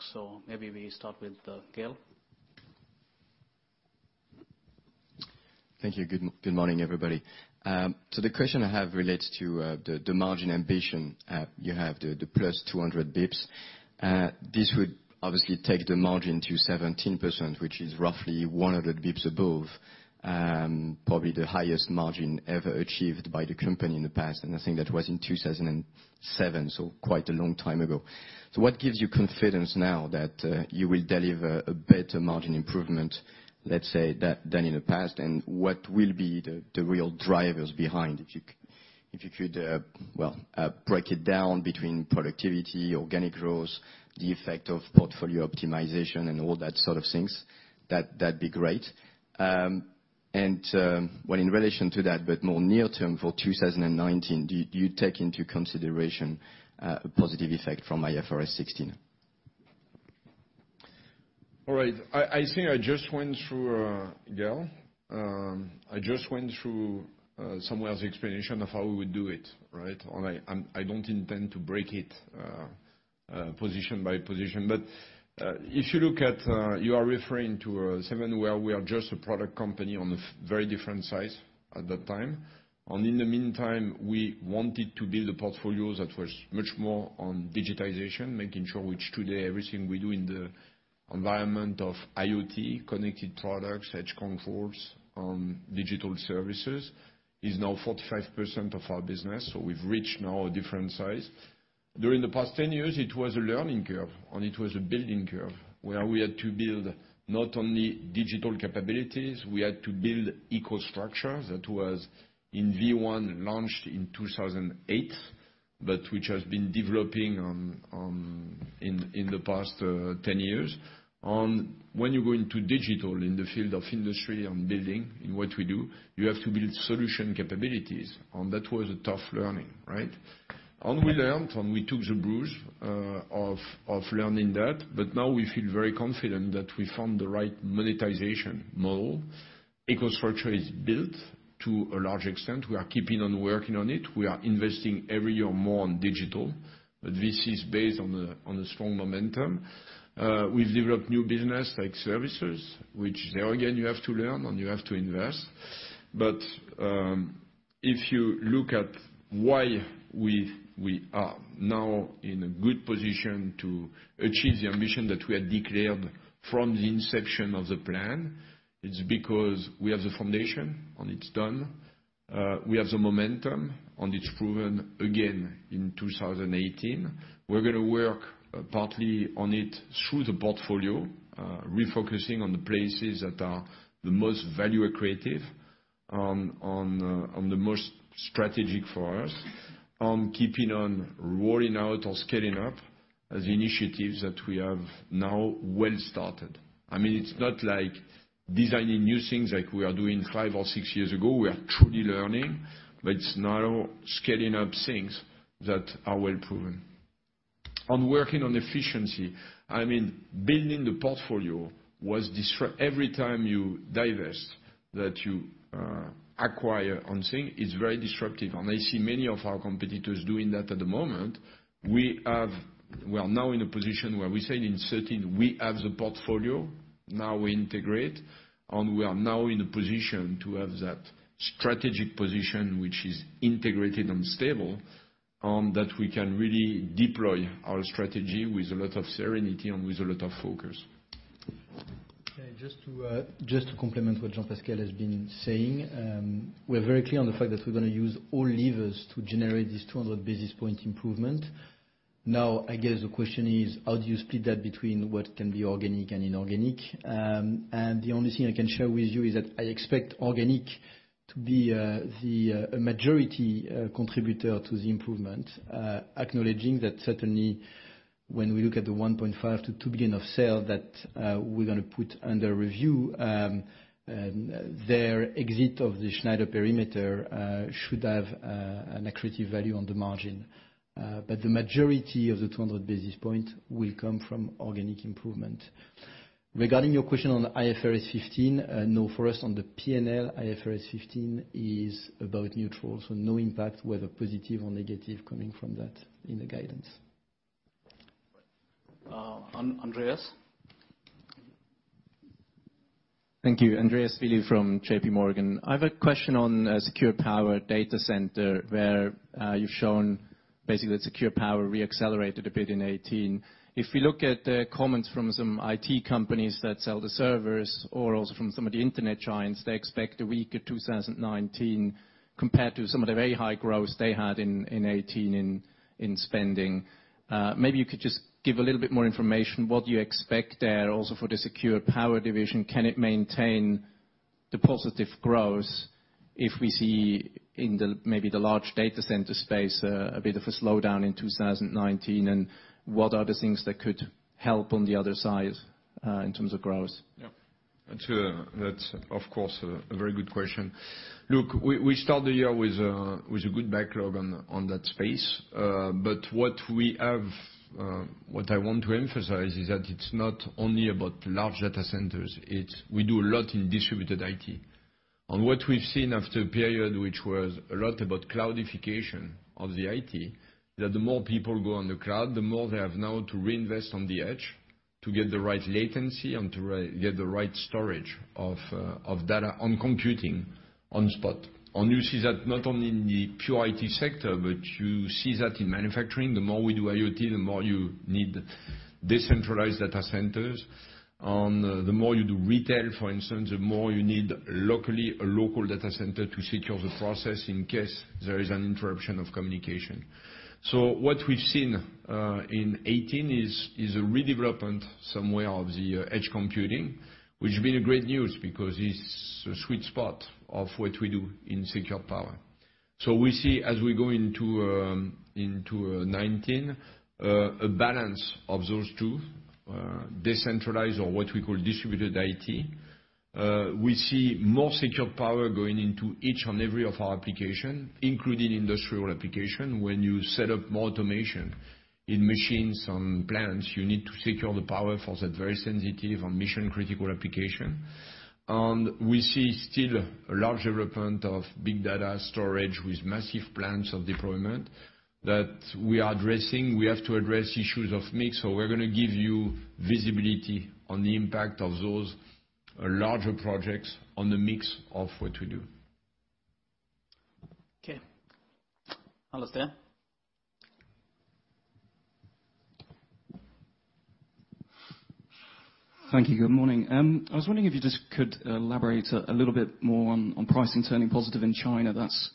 Maybe we start with Gaël. Thank you. Good morning, everybody. The question I have relates to the margin ambition. You have the +200 basis points. This would obviously take the margin to 17%, which is roughly 100 basis points above, probably the highest margin ever achieved by the company in the past. I think that was in 2007, quite a long time ago. What gives you confidence now that you will deliver a better margin improvement, let's say, than in the past? What will be the real drivers behind, if you could, well, break it down between productivity, organic growth, the effect of portfolio optimization, and all that sort of things? That'd be great. Well, in relation to that, but more near term for 2019, do you take into consideration a positive effect from IFRS 16? All right. I think I just went through, Gaël. I just went through somewhere the explanation of how we would do it, right? I don't intend to break it position by position. If you look at, you are referring to a time where we are just a product company on a very different size at that time. In the meantime, we wanted to build a portfolio that was much more on digitization, making sure which today everything we do in the environment of IoT, connected products, edge controls and digital services is now 45% of our business. We've reached now a different size. During the past 10 years, it was a learning curve, and it was a building curve where we had to build not only digital capabilities, we had to build EcoStruxure that was in V1, launched in 2008, but which has been developing in the past 10 years. When you go into digital in the field of industry and building in what we do, you have to build solution capabilities, that was a tough learning, right? We learned, and we took the brunt of learning that, now we feel very confident that we found the right monetization model. EcoStruxure is built to a large extent. We are keeping on working on it. We are investing every year more on digital, this is based on a strong momentum. We've developed new business like services, which there again, you have to learn and you have to invest. If you look at why we are now in a good position to achieve the ambition that we had declared from the inception of the plan, it's because we have the foundation. It's done. We have the momentum. It's proven again in 2018. We're going to work partly on it through the portfolio, refocusing on the places that are the most value accretive and the most strategic for us, on keeping on rolling out or scaling up the initiatives that we have now well started. I mean, it's not like designing new things like we are doing five or six years ago. We are truly learning, it's now scaling up things that are well proven. On working on efficiency, building the portfolio was every time you divest, that you acquire one thing, it's very disruptive. I see many of our competitors doing that at the moment. We are now in a position where we said in 2013, we have the portfolio. Now we integrate, and we are now in a position to have that strategic position, which is integrated and stable, that we can really deploy our strategy with a lot of serenity and with a lot of focus. Just to complement what Jean-Pascal has been saying, we're very clear on the fact that we're going to use all levers to generate this 200 basis points improvement. Now, I guess the question is, how do you split that between what can be organic and inorganic? The only thing I can share with you is that I expect organic to be the majority contributor to the improvement, acknowledging that certainly, when we look at the 1.5 billion to 2 billion of sale, that we're going to put under review, their exit of the Schneider perimeter should have an accretive value on the margin. The majority of the 200 basis points will come from organic improvement. Regarding your question on IFRS 15, no, for us on the P&L, IFRS 15 is about neutral. No impact, whether positive or negative, coming from that in the guidance. Andreas? Thank you. Andreas Billi from JPMorgan. I have a question on Secure Power data center, where you've shown basically that Secure Power re-accelerated a bit in 2018. If we look at the comments from some IT companies that sell the servers or else from some of the internet giants, they expect a weaker 2019 compared to some of the very high growths they had in 2018 in spending. Maybe you could just give a little bit more information. What do you expect there also for the Secure Power division? Can it maintain the positive growth if we see in maybe the large data center space, a bit of a slowdown in 2019? What are the things that could help on the other side in terms of growth? That's, of course, a very good question. Look, we start the year with a good backlog on that space. What I want to emphasize is that it's not only about large data centers. We do a lot in distributed IT. What we've seen after a period, which was a lot about cloudification of the IT, that the more people go on the cloud, the more they have now to reinvest on the edge to get the right latency and to get the right storage of data on computing on spot. You see that not only in the pure IT sector, but you see that in manufacturing. The more we do IoT, the more you need decentralized data centers, the more you do retail, for instance, the more you need a local data center to secure the process in case there is an interruption of communication. What we've seen in 2018 is a redevelopment somewhere of the edge computing, which has been a great news because it's a sweet spot of what we do in Secure Power. We see as we go into 2019, a balance of those two, decentralized or what we call distributed IT. We see more Secure Power going into each and every of our application, including industrial application. When you set up more automation in machines and plants, you need to secure the power for that very sensitive and mission-critical application. We see still a large development of big data storage with massive plans of deployment that we are addressing. We have to address issues of mix, we're going to give you visibility on the impact of those larger projects on the mix of what we do. Okay. Alasdair? Thank you. Good morning. I was wondering if you just could elaborate a little bit more on pricing turning positive in China. That's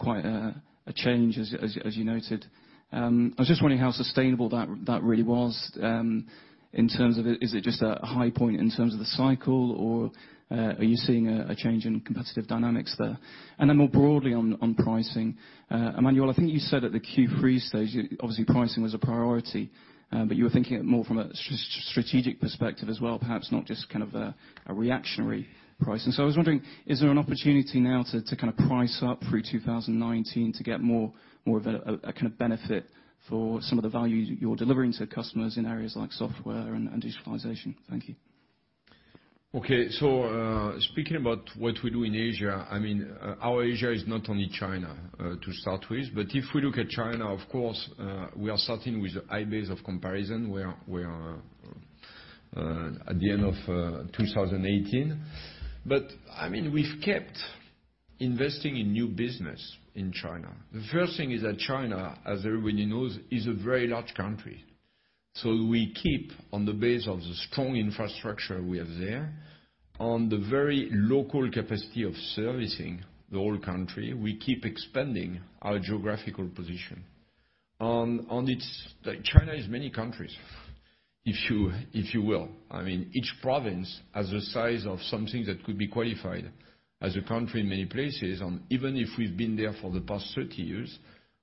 quite a change, as you noted. I was just wondering how sustainable that really was, in terms of, is it just a high point in terms of the cycle, or are you seeing a change in competitive dynamics there? Then more broadly on pricing, Emmanuel, I think you said at the Q3 stage, obviously, pricing was a priority. You were thinking it more from a strategic perspective as well, perhaps not just kind of a reactionary pricing. I was wondering, is there an opportunity now to kind of price up through 2019 to get more of a kind of benefit for some of the value you're delivering to customers in areas like software and digitalization? Thank you. Okay. Speaking about what we do in Asia, our Asia is not only China to start with, but if we look at China, of course, we are starting with a high base of comparison where we are at the end of 2018. We've kept investing in new business in China. The first thing is that China, as everybody knows, is a very large country. We keep on the base of the strong infrastructure we have there, on the very local capacity of servicing the whole country, we keep expanding our geographical position. China is many countries, if you will. Each province has a size of something that could be qualified as a country in many places. Even if we've been there for the past 30 years,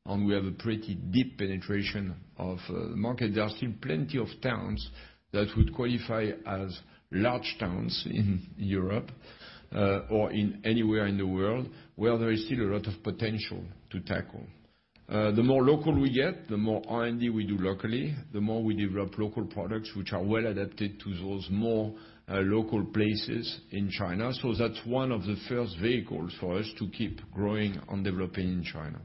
and we have a pretty deep penetration of the market, there are still plenty of towns that would qualify as large towns in Europe or anywhere in the world where there is still a lot of potential to tackle. The more local we get, the more R&D we do locally, the more we develop local products, which are well adapted to those more local places in China. That's one of the first vehicles for us to keep growing and developing in China.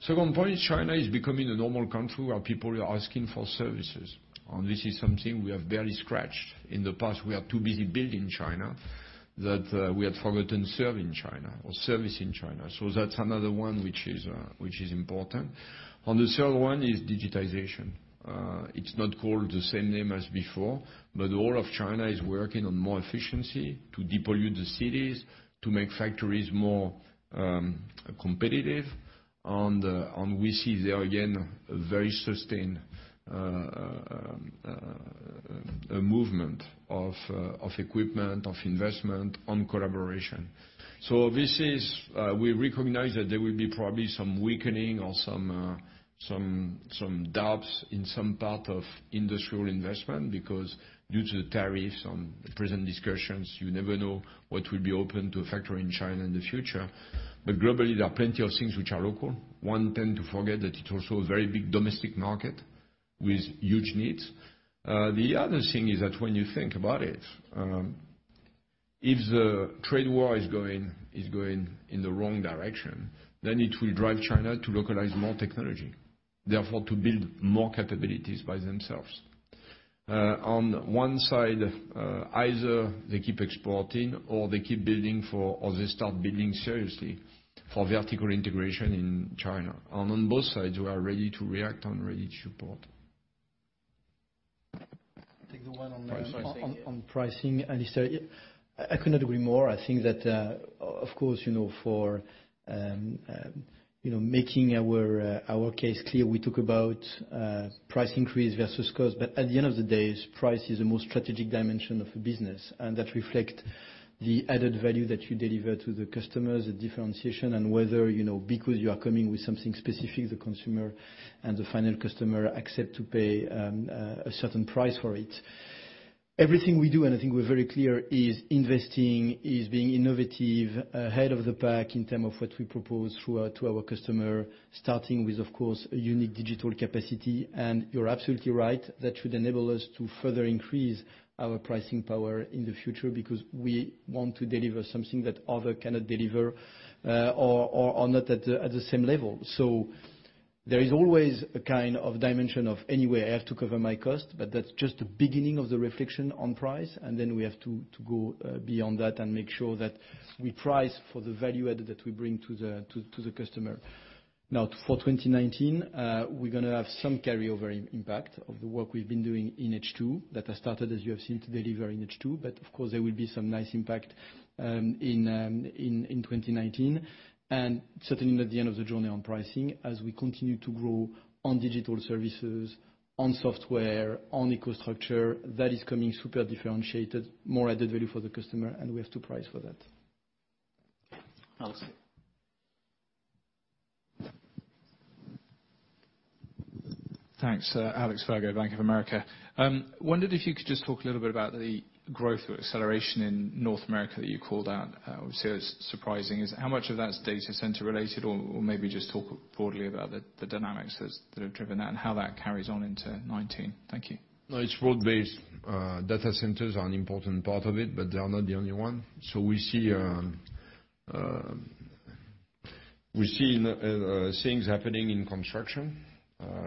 Second point is China is becoming a normal country where people are asking for services, and this is something we have barely scratched. In the past, we are too busy building China that we had forgotten serving China or service in China. That's another one which is important. The third one is digitization. It's not called the same name as before. All of China is working on more efficiency to depollute the cities, to make factories more competitive. We see there again, a very sustained movement of equipment, of investment, on collaboration. We recognize that there will be probably some weakening or some doubts in some part of industrial investment because due to the tariffs on present discussions, you never know what will be open to a factory in China in the future. Globally, there are plenty of things which are local. One tend to forget that it's also a very big domestic market with huge needs. The other thing is that when you think about it, if the trade war is going in the wrong direction, it will drive China to localize more technology, therefore to build more capabilities by themselves. On one side, either they keep exporting or they start building seriously for vertical integration in China. On both sides, we are ready to react and ready to support. Take the one on pricing. On pricing, I could not agree more. I think that, of course, for making our case clear, we talk about price increase versus cost. At the end of the day, price is the most strategic dimension of a business, and that reflect the added value that you deliver to the customers, the differentiation, and whether because you are coming with something specific, the consumer and the final customer accept to pay a certain price for it. Everything we do, and I think we're very clear, is investing, is being innovative, ahead of the pack in term of what we propose to our customer, starting with, of course, a unique digital capacity. You're absolutely right, that should enable us to further increase our pricing power in the future because we want to deliver something that other cannot deliver or not at the same level. There is always a kind of dimension of, anyway, I have to cover my cost, but that's just the beginning of the reflection on price. We have to go beyond that and make sure that we price for the value add that we bring to the customer. Now, for 2019, we're going to have some carryover impact of the work we've been doing in H2 that has started, as you have seen, to deliver in H2. Of course, there will be some nice impact in 2019. Certainly at the end of the journey on pricing, as we continue to grow on digital services, on software, on EcoStruxure, that is coming super differentiated, more added value for the customer, and we have to price for that. Alex. Thanks. Alexander Virgo, Bank of America. Wondered if you could just talk a little bit about the growth or acceleration in North America that you called out. Obviously, that's surprising. How much of that's data center related? Or maybe just talk broadly about the dynamics that have driven that and how that carries on into 2019. Thank you. No, it's broad-based. Data centers are an important part of it, but they are not the only one. We see things happening in construction,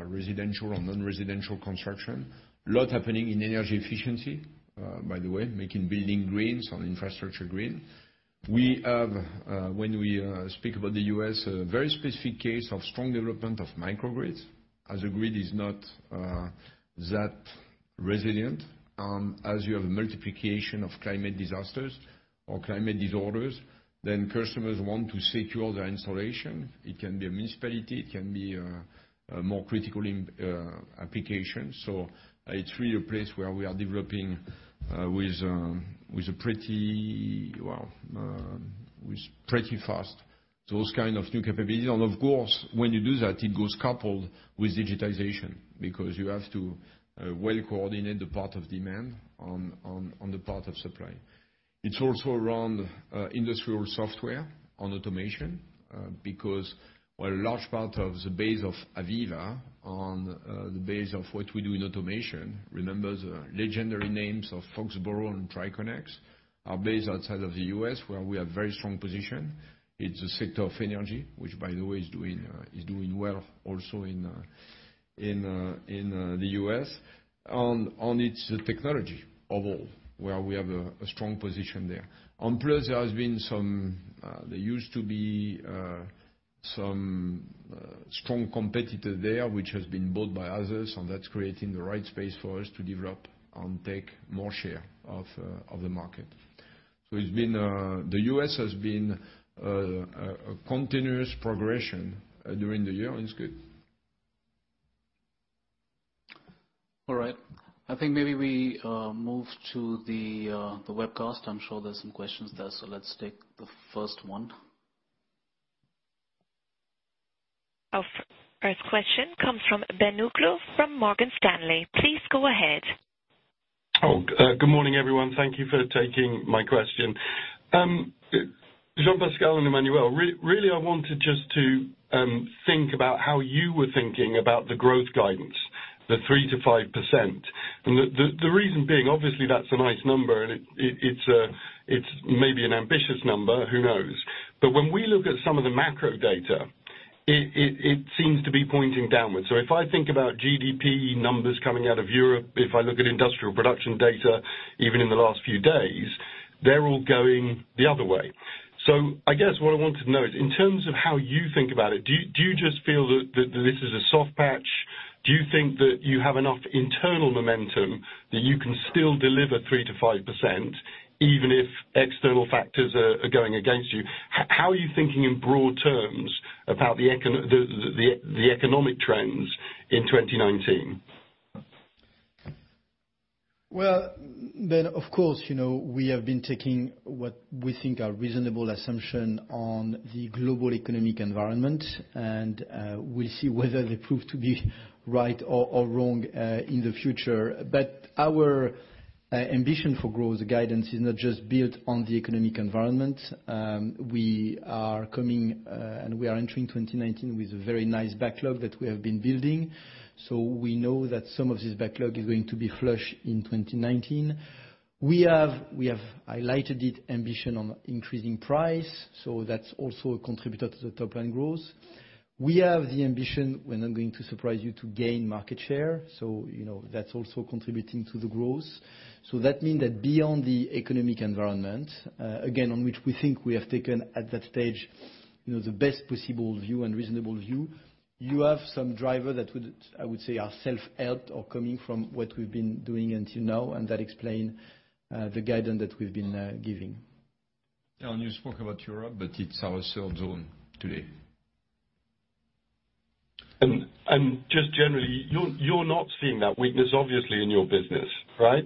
residential and non-residential construction. A lot happening in Energy Management, by the way, making building greens on infrastructure green. We have, when we speak about the U.S., a very specific case of strong development of microgrids. As a grid is not that resilient, as you have multiplication of climate disasters or climate disorders, then customers want to secure their installation. It can be a municipality, it can be a more critical application. It's really a place where we are developing with pretty fast those kind of new capabilities. Of course, when you do that, it goes coupled with digitization because you have to well coordinate the part of demand on the part of supply. It's also around industrial software and automation, because while a large part of the base of AVEVA and the base of what we do in automation, remember the legendary names of Foxboro and Triconex are based outside of the U.S., where we have very strong position. It's a sector of energy, which, by the way, is doing well also in the U.S., and it's the technology of all where we have a strong position there. Plus, there used to be some strong competitor there, which has been bought by others, and that's creating the right space for us to develop and take more share of the market. The U.S. has been a continuous progression during the year, and it's good. All right. I think maybe we move to the webcast. I'm sure there's some questions there, let's take the first one. Our first question comes from Ben Uglow from Morgan Stanley. Please go ahead. Good morning, everyone. Thank you for taking my question. Jean-Pascal and Emmanuel. I wanted just to think about how you were thinking about the growth guidance, the 3%-5%. The reason being, obviously, that's a nice number, and it's maybe an ambitious number, who knows? When we look at some of the macro data, it seems to be pointing downward. If I think about GDP numbers coming out of Europe, if I look at industrial production data, even in the last few days, they're all going the other way. I guess what I wanted to know is, in terms of how you think about it, do you just feel that this is a soft patch? Do you think that you have enough internal momentum that you can still deliver 3%-5%, even if external factors are going against you? How are you thinking in broad terms about the economic trends in 2019? Well, Ben, of course, we have been taking what we think are reasonable assumptions on the global economic environment, and we'll see whether they prove to be right or wrong in the future. Our ambition for growth guidance is not just built on the economic environment. We are coming, and we are entering 2019 with a very nice backlog that we have been building. We know that some of this backlog is going to be flush in 2019. We have highlighted it, ambition on increasing price, that's also a contributor to the top-line growth. We have the ambition, we're not going to surprise you, to gain market share. You know, that's also contributing to the growth. That means that beyond the economic environment, again, on which we think we have taken at that stage, the best possible view and reasonable view. You have some drivers that I would say are self-helped or coming from what we've been doing until now, and that explain the guidance that we've been giving. You spoke about Europe, it's our third zone today. Just generally, you're not seeing that weakness, obviously, in your business, right?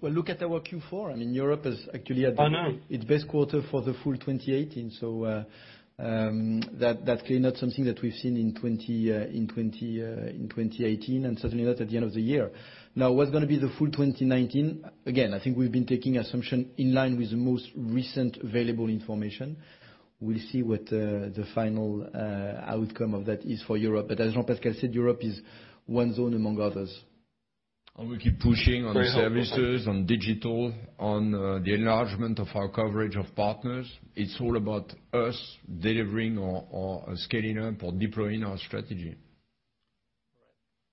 Well, look at our Q4. Europe is actually. I know Its best quarter for the full 2018. That clearly not something that we've seen in 2018 and certainly not at the end of the year. What's going to be the full 2019, again, I think we've been taking assumption in line with the most recent available information. We'll see what the final outcome of that is for Europe. As Jean-Pascal said, Europe is one zone among others. We keep pushing on services, on digital, on the enlargement of our coverage of partners. It's all about us delivering or scaling up or deploying our strategy.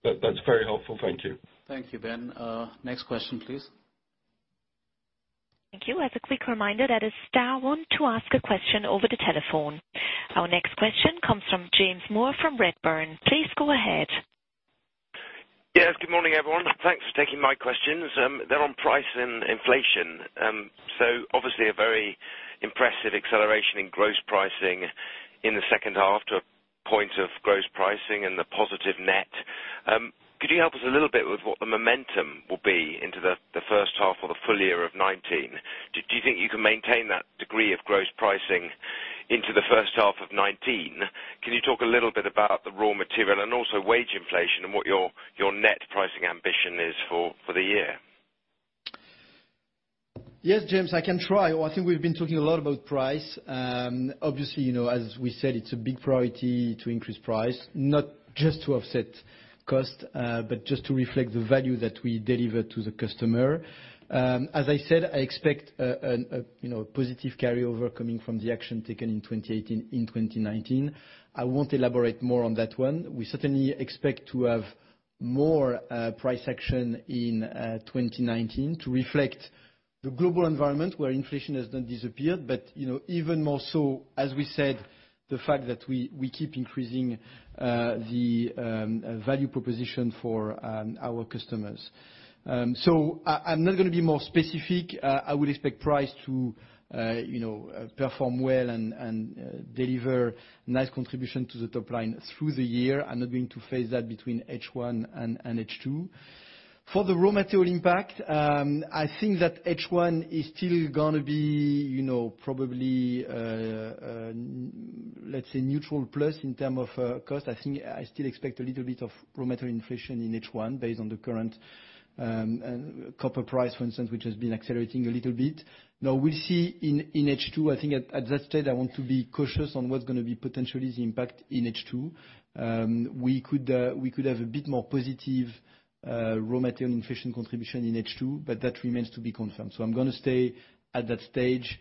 That's very helpful. Thank you. Thank you, Ben. Next question, please. Thank you. As a quick reminder, that is star one to ask a question over the telephone. Our next question comes from James Moore from Redburn. Please go ahead. Yes, good morning, everyone. Thanks for taking my questions. They're on price and inflation. Obviously a very impressive acceleration in gross pricing in the second half to a point of gross pricing and the positive net. Could you help us a little bit with what the momentum will be into the first half or the full year of 2019? Do you think you can maintain that degree of gross pricing into the first half of 2019? Can you talk a little bit about the raw material and also wage inflation and what your net pricing ambition is for the year? Yes, James, I can try. I think we've been talking a lot about price. As we said, it's a big priority to increase price, not just to offset cost, but just to reflect the value that we deliver to the customer. As I said, I expect a positive carryover coming from the action taken in 2018, in 2019. I won't elaborate more on that one. We certainly expect to have more price action in 2019 to reflect the global environment where inflation has not disappeared. Even more so, as we said, the fact that we keep increasing the value proposition for our customers. I'm not going to be more specific. I would expect price to perform well and deliver nice contribution to the top line through the year. I'm not going to phase that between H1 and H2. For the raw material impact, I think that H1 is still going to be probably, let's say neutral plus in terms of cost. I still expect a little bit of raw material inflation in H1 based on the current copper price, for instance, which has been accelerating a little bit. We'll see in H2, I think at that stage, I want to be cautious on what's going to be potentially the impact in H2. We could have a bit more positive raw material inflation contribution in H2, but that remains to be confirmed. I'm going to stay at that stage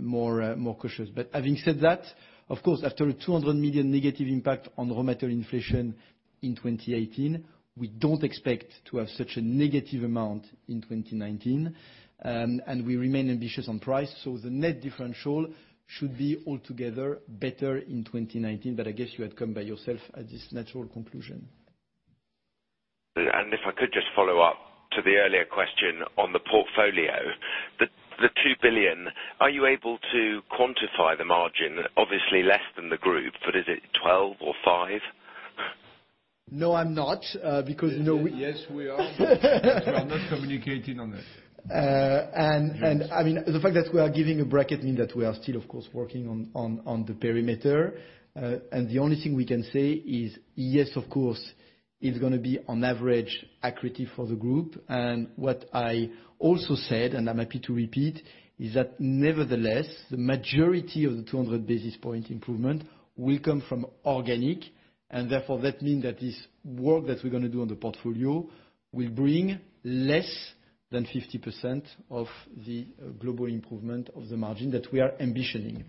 more cautious. Having said that, of course, after a 200 million negative impact on raw material inflation in 2018, we don't expect to have such a negative amount in 2019. We remain ambitious on price. The net differential should be altogether better in 2019. I guess you had come by yourself at this natural conclusion. If I could just follow up to the earlier question on the portfolio. The EUR 2 billion, are you able to quantify the margin, obviously less than the group, but is it 12% or 5%? No, I'm not. Yes, we are. We are not communicating on it. The fact that we are giving a bracket means that we are still, of course, working on the perimeter. The only thing we can say is, yes, of course, it's going to be on average accretive for the group. What I also said, and I'm happy to repeat, is that nevertheless, the majority of the 200 basis points improvement will come from organic, and therefore that means that this work that we're going to do on the portfolio will bring less than 50% of the global improvement of the margin that we are ambitioning.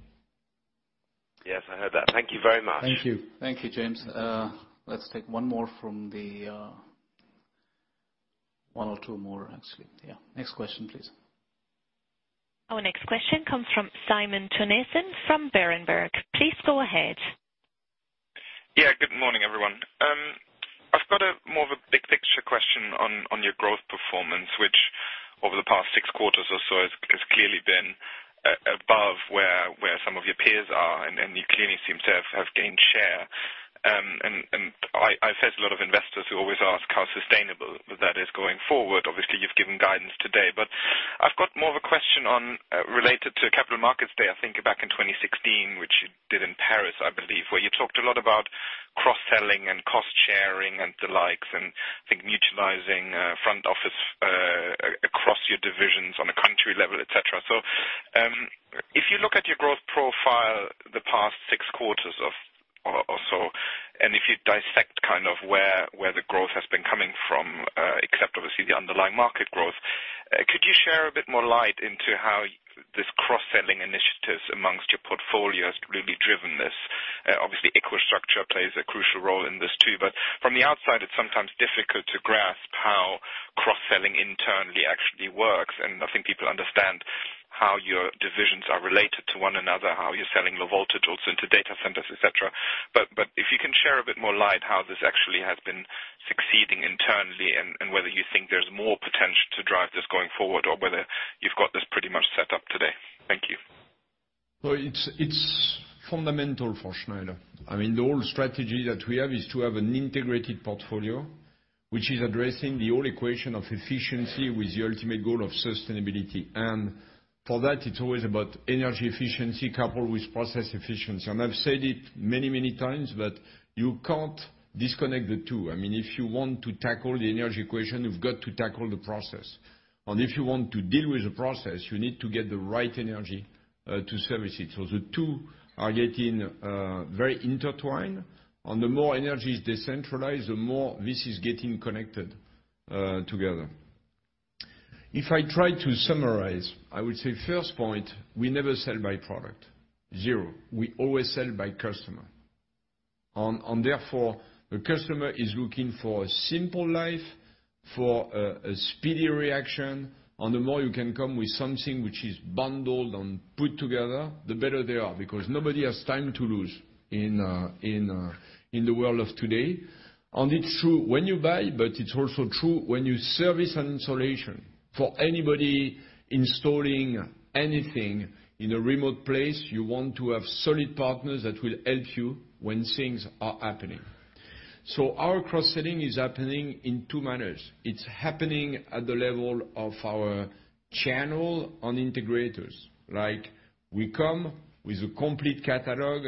Yes, I heard that. Thank you very much. Thank you. Thank you, James. Let's take one or two more, actually. Next question, please. Our next question comes from Simon Toennessen from Berenberg. Please go ahead. Good morning, everyone. I've got more of a big picture question on your growth performance, which over the past six quarters or so has clearly been above where some of your peers are, and you clearly seem to have gained share. I've said to a lot of investors who always ask how sustainable that is going forward. Obviously, you've given guidance today. I've got more of a question on, related to Capital Markets Day, I think back in 2016, which you did in Paris, I believe, where you talked a lot about cross-selling and cost-sharing and the likes, and I think mutualizing front office across your divisions on a country level, et cetera. If you look at your growth profile the past six quarters or so, and if you dissect kind of where the growth has been coming from, except obviously the underlying market growth, could you share a bit more light into how these cross-selling initiatives amongst your portfolio has really driven this? Obviously, EcoStruxure plays a crucial role in this too, but from the outside, it's sometimes difficult to grasp how cross-selling internally actually works. I think people understand how your divisions are related to one another, how you're selling Low Voltage also into data centers, et cetera. If you can share a bit more light how this actually has been succeeding internally, and whether you think there's more potential to drive this going forward or whether you've got this pretty much set up today. Thank you. Well, it's fundamental for Schneider. The whole strategy that we have is to have an integrated portfolio, which is addressing the whole equation of efficiency with the ultimate goal of sustainability. For that, it's always about energy efficiency coupled with process efficiency. I've said it many times, but you can't disconnect the two. If you want to tackle the energy equation, you've got to tackle the process. If you want to deal with the process, you need to get the right energy to service it. The two are getting very intertwined, and the more energy is decentralized, the more this is getting connected together. If I try to summarize, I would say first point, we never sell by product. Zero. We always sell by customer. Therefore, the customer is looking for a simple life, for a speedy reaction. The more you can come with something which is bundled and put together, the better they are, because nobody has time to lose in the world of today. It's true when you buy, but it's also true when you service an installation. For anybody installing anything in a remote place, you want to have solid partners that will help you when things are happening. Our cross-selling is happening in two manners. It's happening at the level of our channel on integrators, like we come with a complete catalog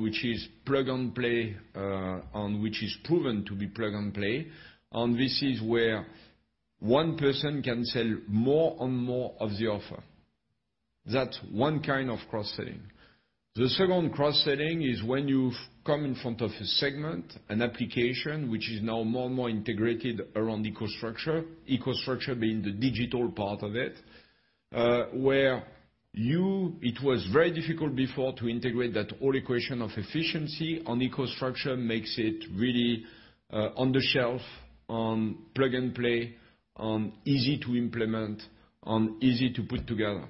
which is plug-and-play, and which is proven to be plug-and-play. This is where one person can sell more and more of the offer. That's one kind of cross-selling. The second cross-selling is when you come in front of a segment, an application, which is now more and more integrated around EcoStruxure being the digital part of it, where it was very difficult before to integrate that whole equation of efficiency, and EcoStruxure makes it really on the shelf, plug-and-play, easy to implement and easy to put together.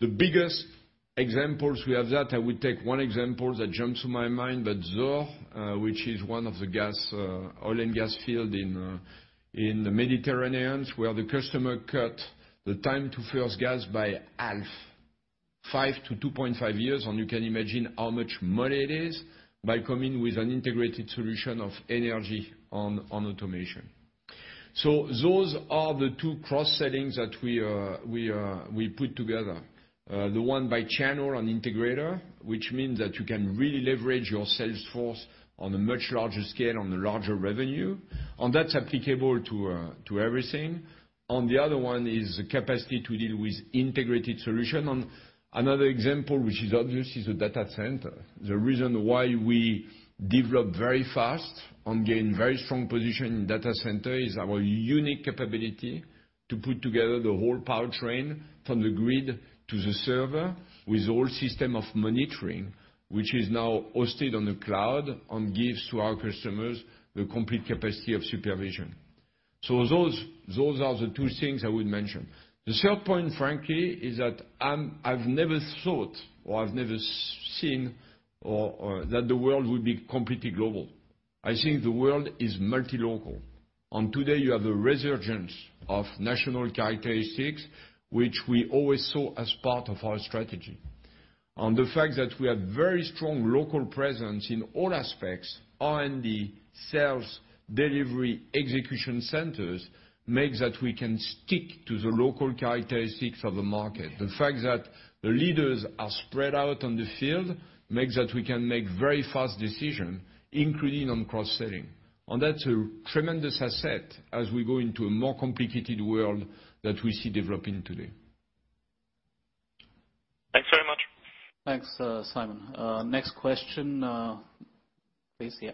The biggest examples we have that, I would take one example that jumps to my mind, Zohr, which is one of the oil and gas field in the Mediterranean, where the customer cut the time to first gas by half, 5 to 2.5 years, and you can imagine how much money it is, by coming with an integrated solution of energy and automation. Those are the two cross-sellings that we put together. The one by channel and integrator, which means that you can really leverage your sales force on a much larger scale, on a larger revenue, and that's applicable to everything. The other one is the capacity to deal with integrated solution. Another example, which is obvious, is the data center. The reason why we develop very fast and gain very strong position in data center is our unique capability to put together the whole powertrain from the grid to the server with the whole system of monitoring, which is now hosted on the cloud and gives to our customers the complete capacity of supervision. Those are the two things I would mention. The third point, frankly, is that I've never thought or I've never seen that the world would be completely global. I think the world is multi-local. Today you have a resurgence of national characteristics, which we always saw as part of our strategy. On the fact that we have very strong local presence in all aspects, R&D, sales, delivery, execution centers, makes that we can stick to the local characteristics of a market. The fact that the leaders are spread out on the field makes that we can make very fast decision, including on cross-selling. That's a tremendous asset as we go into a more complicated world that we see developing today. Thanks very much. Thanks, Simon. Next question, please. Yeah.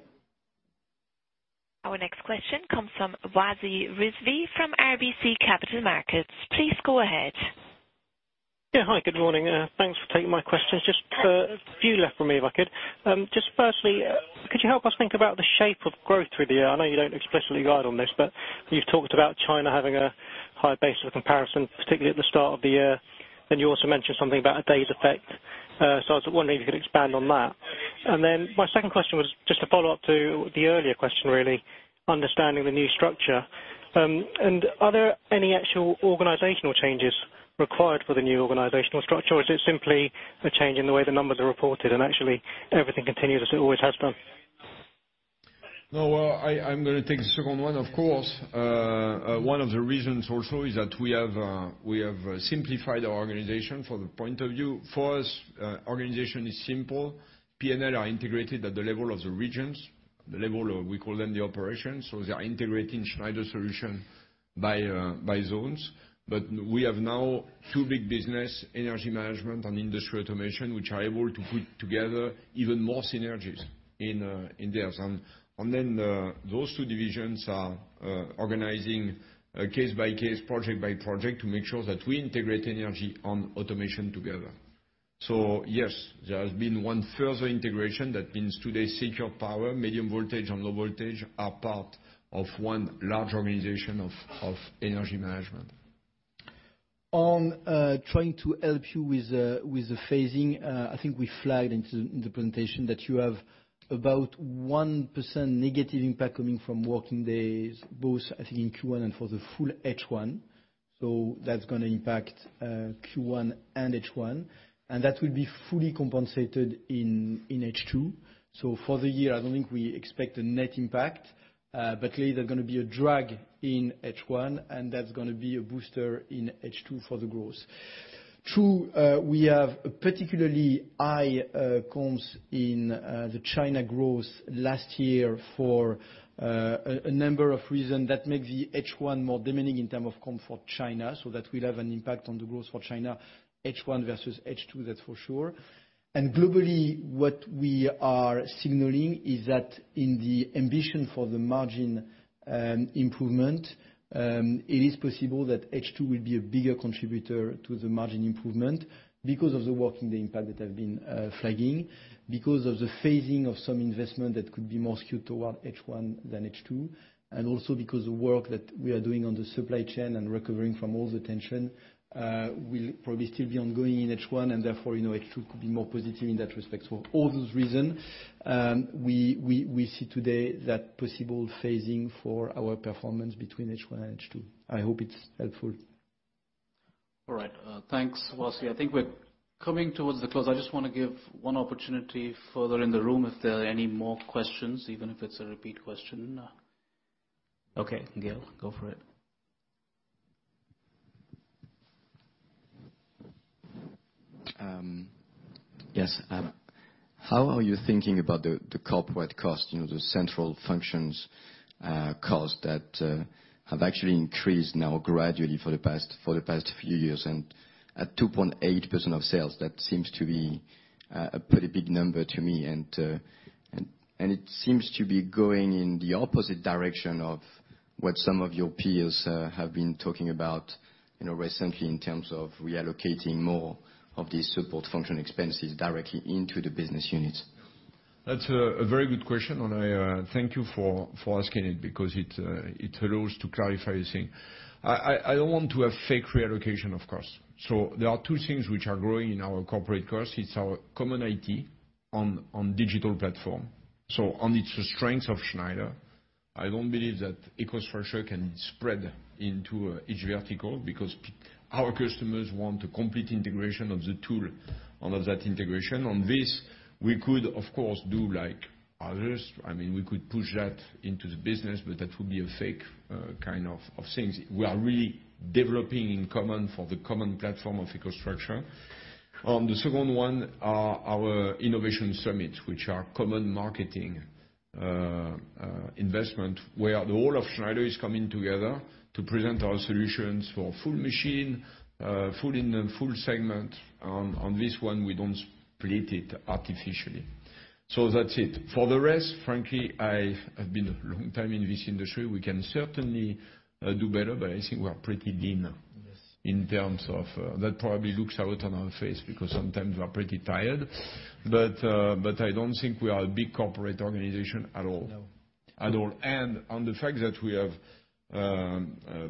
Our next question comes from Wasi Rizvi from RBC Capital Markets. Please go ahead. Yeah. Hi, good morning. Thanks for taking my questions. Just a few left for me, if I could. Just firstly, could you help us think about the shape of growth through the year? I know you don't explicitly guide on this, but you've talked about China having a high base of comparison, particularly at the start of the year. You also mentioned something about a day's effect. I was wondering if you could expand on that. My second question was just to follow up to the earlier question really, understanding the new structure. Are there any actual organizational changes required for the new organizational structure, or is it simply a change in the way the numbers are reported and actually everything continues as it always has done? No, I'm going to take the second one, of course. One of the reasons also is that we have simplified our organization for the point of view. For us, organization is simple. P&L are integrated at the level of the regions, the level of, we call them the operations, so they are integrating Schneider solution by zones. We have now two big business, Energy Management and Industrial Automation, which are able to put together even more synergies in theirs. Those two divisions are organizing case by case, project by project, to make sure that we integrate energy and automation together. Yes, there has been one further integration that means today Secure Power, medium voltage and low voltage are part of one large organization of Energy Management. On trying to help you with the phasing, I think we flagged in the presentation that you have about 1% negative impact coming from working days, both I think in Q1 and for the full H1. That's going to impact Q1 and H1, and that will be fully compensated in H2. For the year, I don't think we expect a net impact. Clearly, there are going to be a drag in H1, and that's going to be a booster in H2 for the growth. True, we have particularly high comps in the China growth last year for a number of reason that make the H1 more demanding in term of comp for China. That will have an impact on the growth for China, H1 versus H1, that's for sure. Globally, what we are signaling is that in the ambition for the margin improvement, it is possible that H2 will be a bigger contributor to the margin improvement because of the working day impact that have been flagging, because of the phasing of some investment that could be more skewed toward H1 than H2, and also because the work that we are doing on the supply chain and recovering from all the tension will probably still be ongoing in H1 and therefore H2 could be more positive in that respect. For all those reason, we see today that possible phasing for our performance between H1 and H2. I hope it's helpful. All right. Thanks, Wasi. I think we're coming towards the close. I just want to give one opportunity further in the room if there are any more questions, even if it's a repeat question. Okay, Gaël, go for it. Yes. How are you thinking about the corporate cost, the central functions cost that have actually increased now gradually for the past few years? At 2.8% of sales, that seems to be a pretty big number to me. It seems to be going in the opposite direction of what some of your peers have been talking about recently in terms of reallocating more of these support function expenses directly into the business units. That's a very good question, and I thank you for asking it because it allows to clarify the thing. I don't want to have fake reallocation, of course. There are two things which are growing in our corporate costs. It's our common IT and digital platform. And it's the strength of Schneider. I don't believe that EcoStruxure can spread into each vertical because our customers want a complete integration of the tool under that integration. On this, we could, of course, do like others. We could push that into the business, but that would be a fake kind of things. We are really developing in common for the common platform of EcoStruxure. The second one are our Innovation Summits, which are common marketing investment where the whole of Schneider is coming together to present our solutions for full machine, full segment. On this one, we don't split it artificially. That's it. For the rest, frankly, I have been a long time in this industry. We can certainly do better, but I think we are pretty lean in terms of that probably looks out on our face because sometimes we are pretty tired. I don't think we are a big corporate organization at all. No. At all. On the fact that we have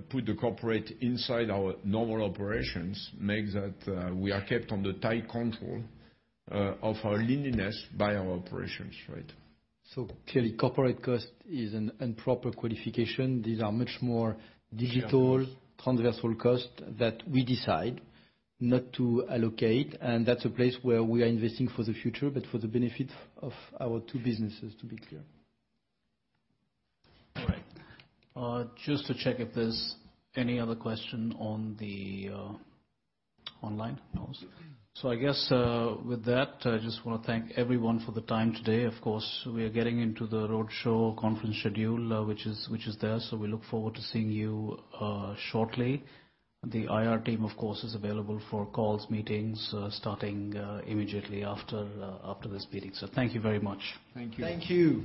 put the corporate inside our normal operations makes that we are kept on the tight control of our leanness by our operations, right? Clearly, corporate cost is an improper qualification. These are much more digital transversal costs that we decide not to allocate, and that's a place where we are investing for the future, but for the benefit of our two businesses, to be clear. All right. Just to check if there's any other question on the online. No. I guess with that, I just want to thank everyone for the time today. Of course, we are getting into the roadshow conference schedule, which is there. We look forward to seeing you shortly. The IR team, of course, is available for calls, meetings, starting immediately after this meeting. Thank you very much. Thank you. Thank you.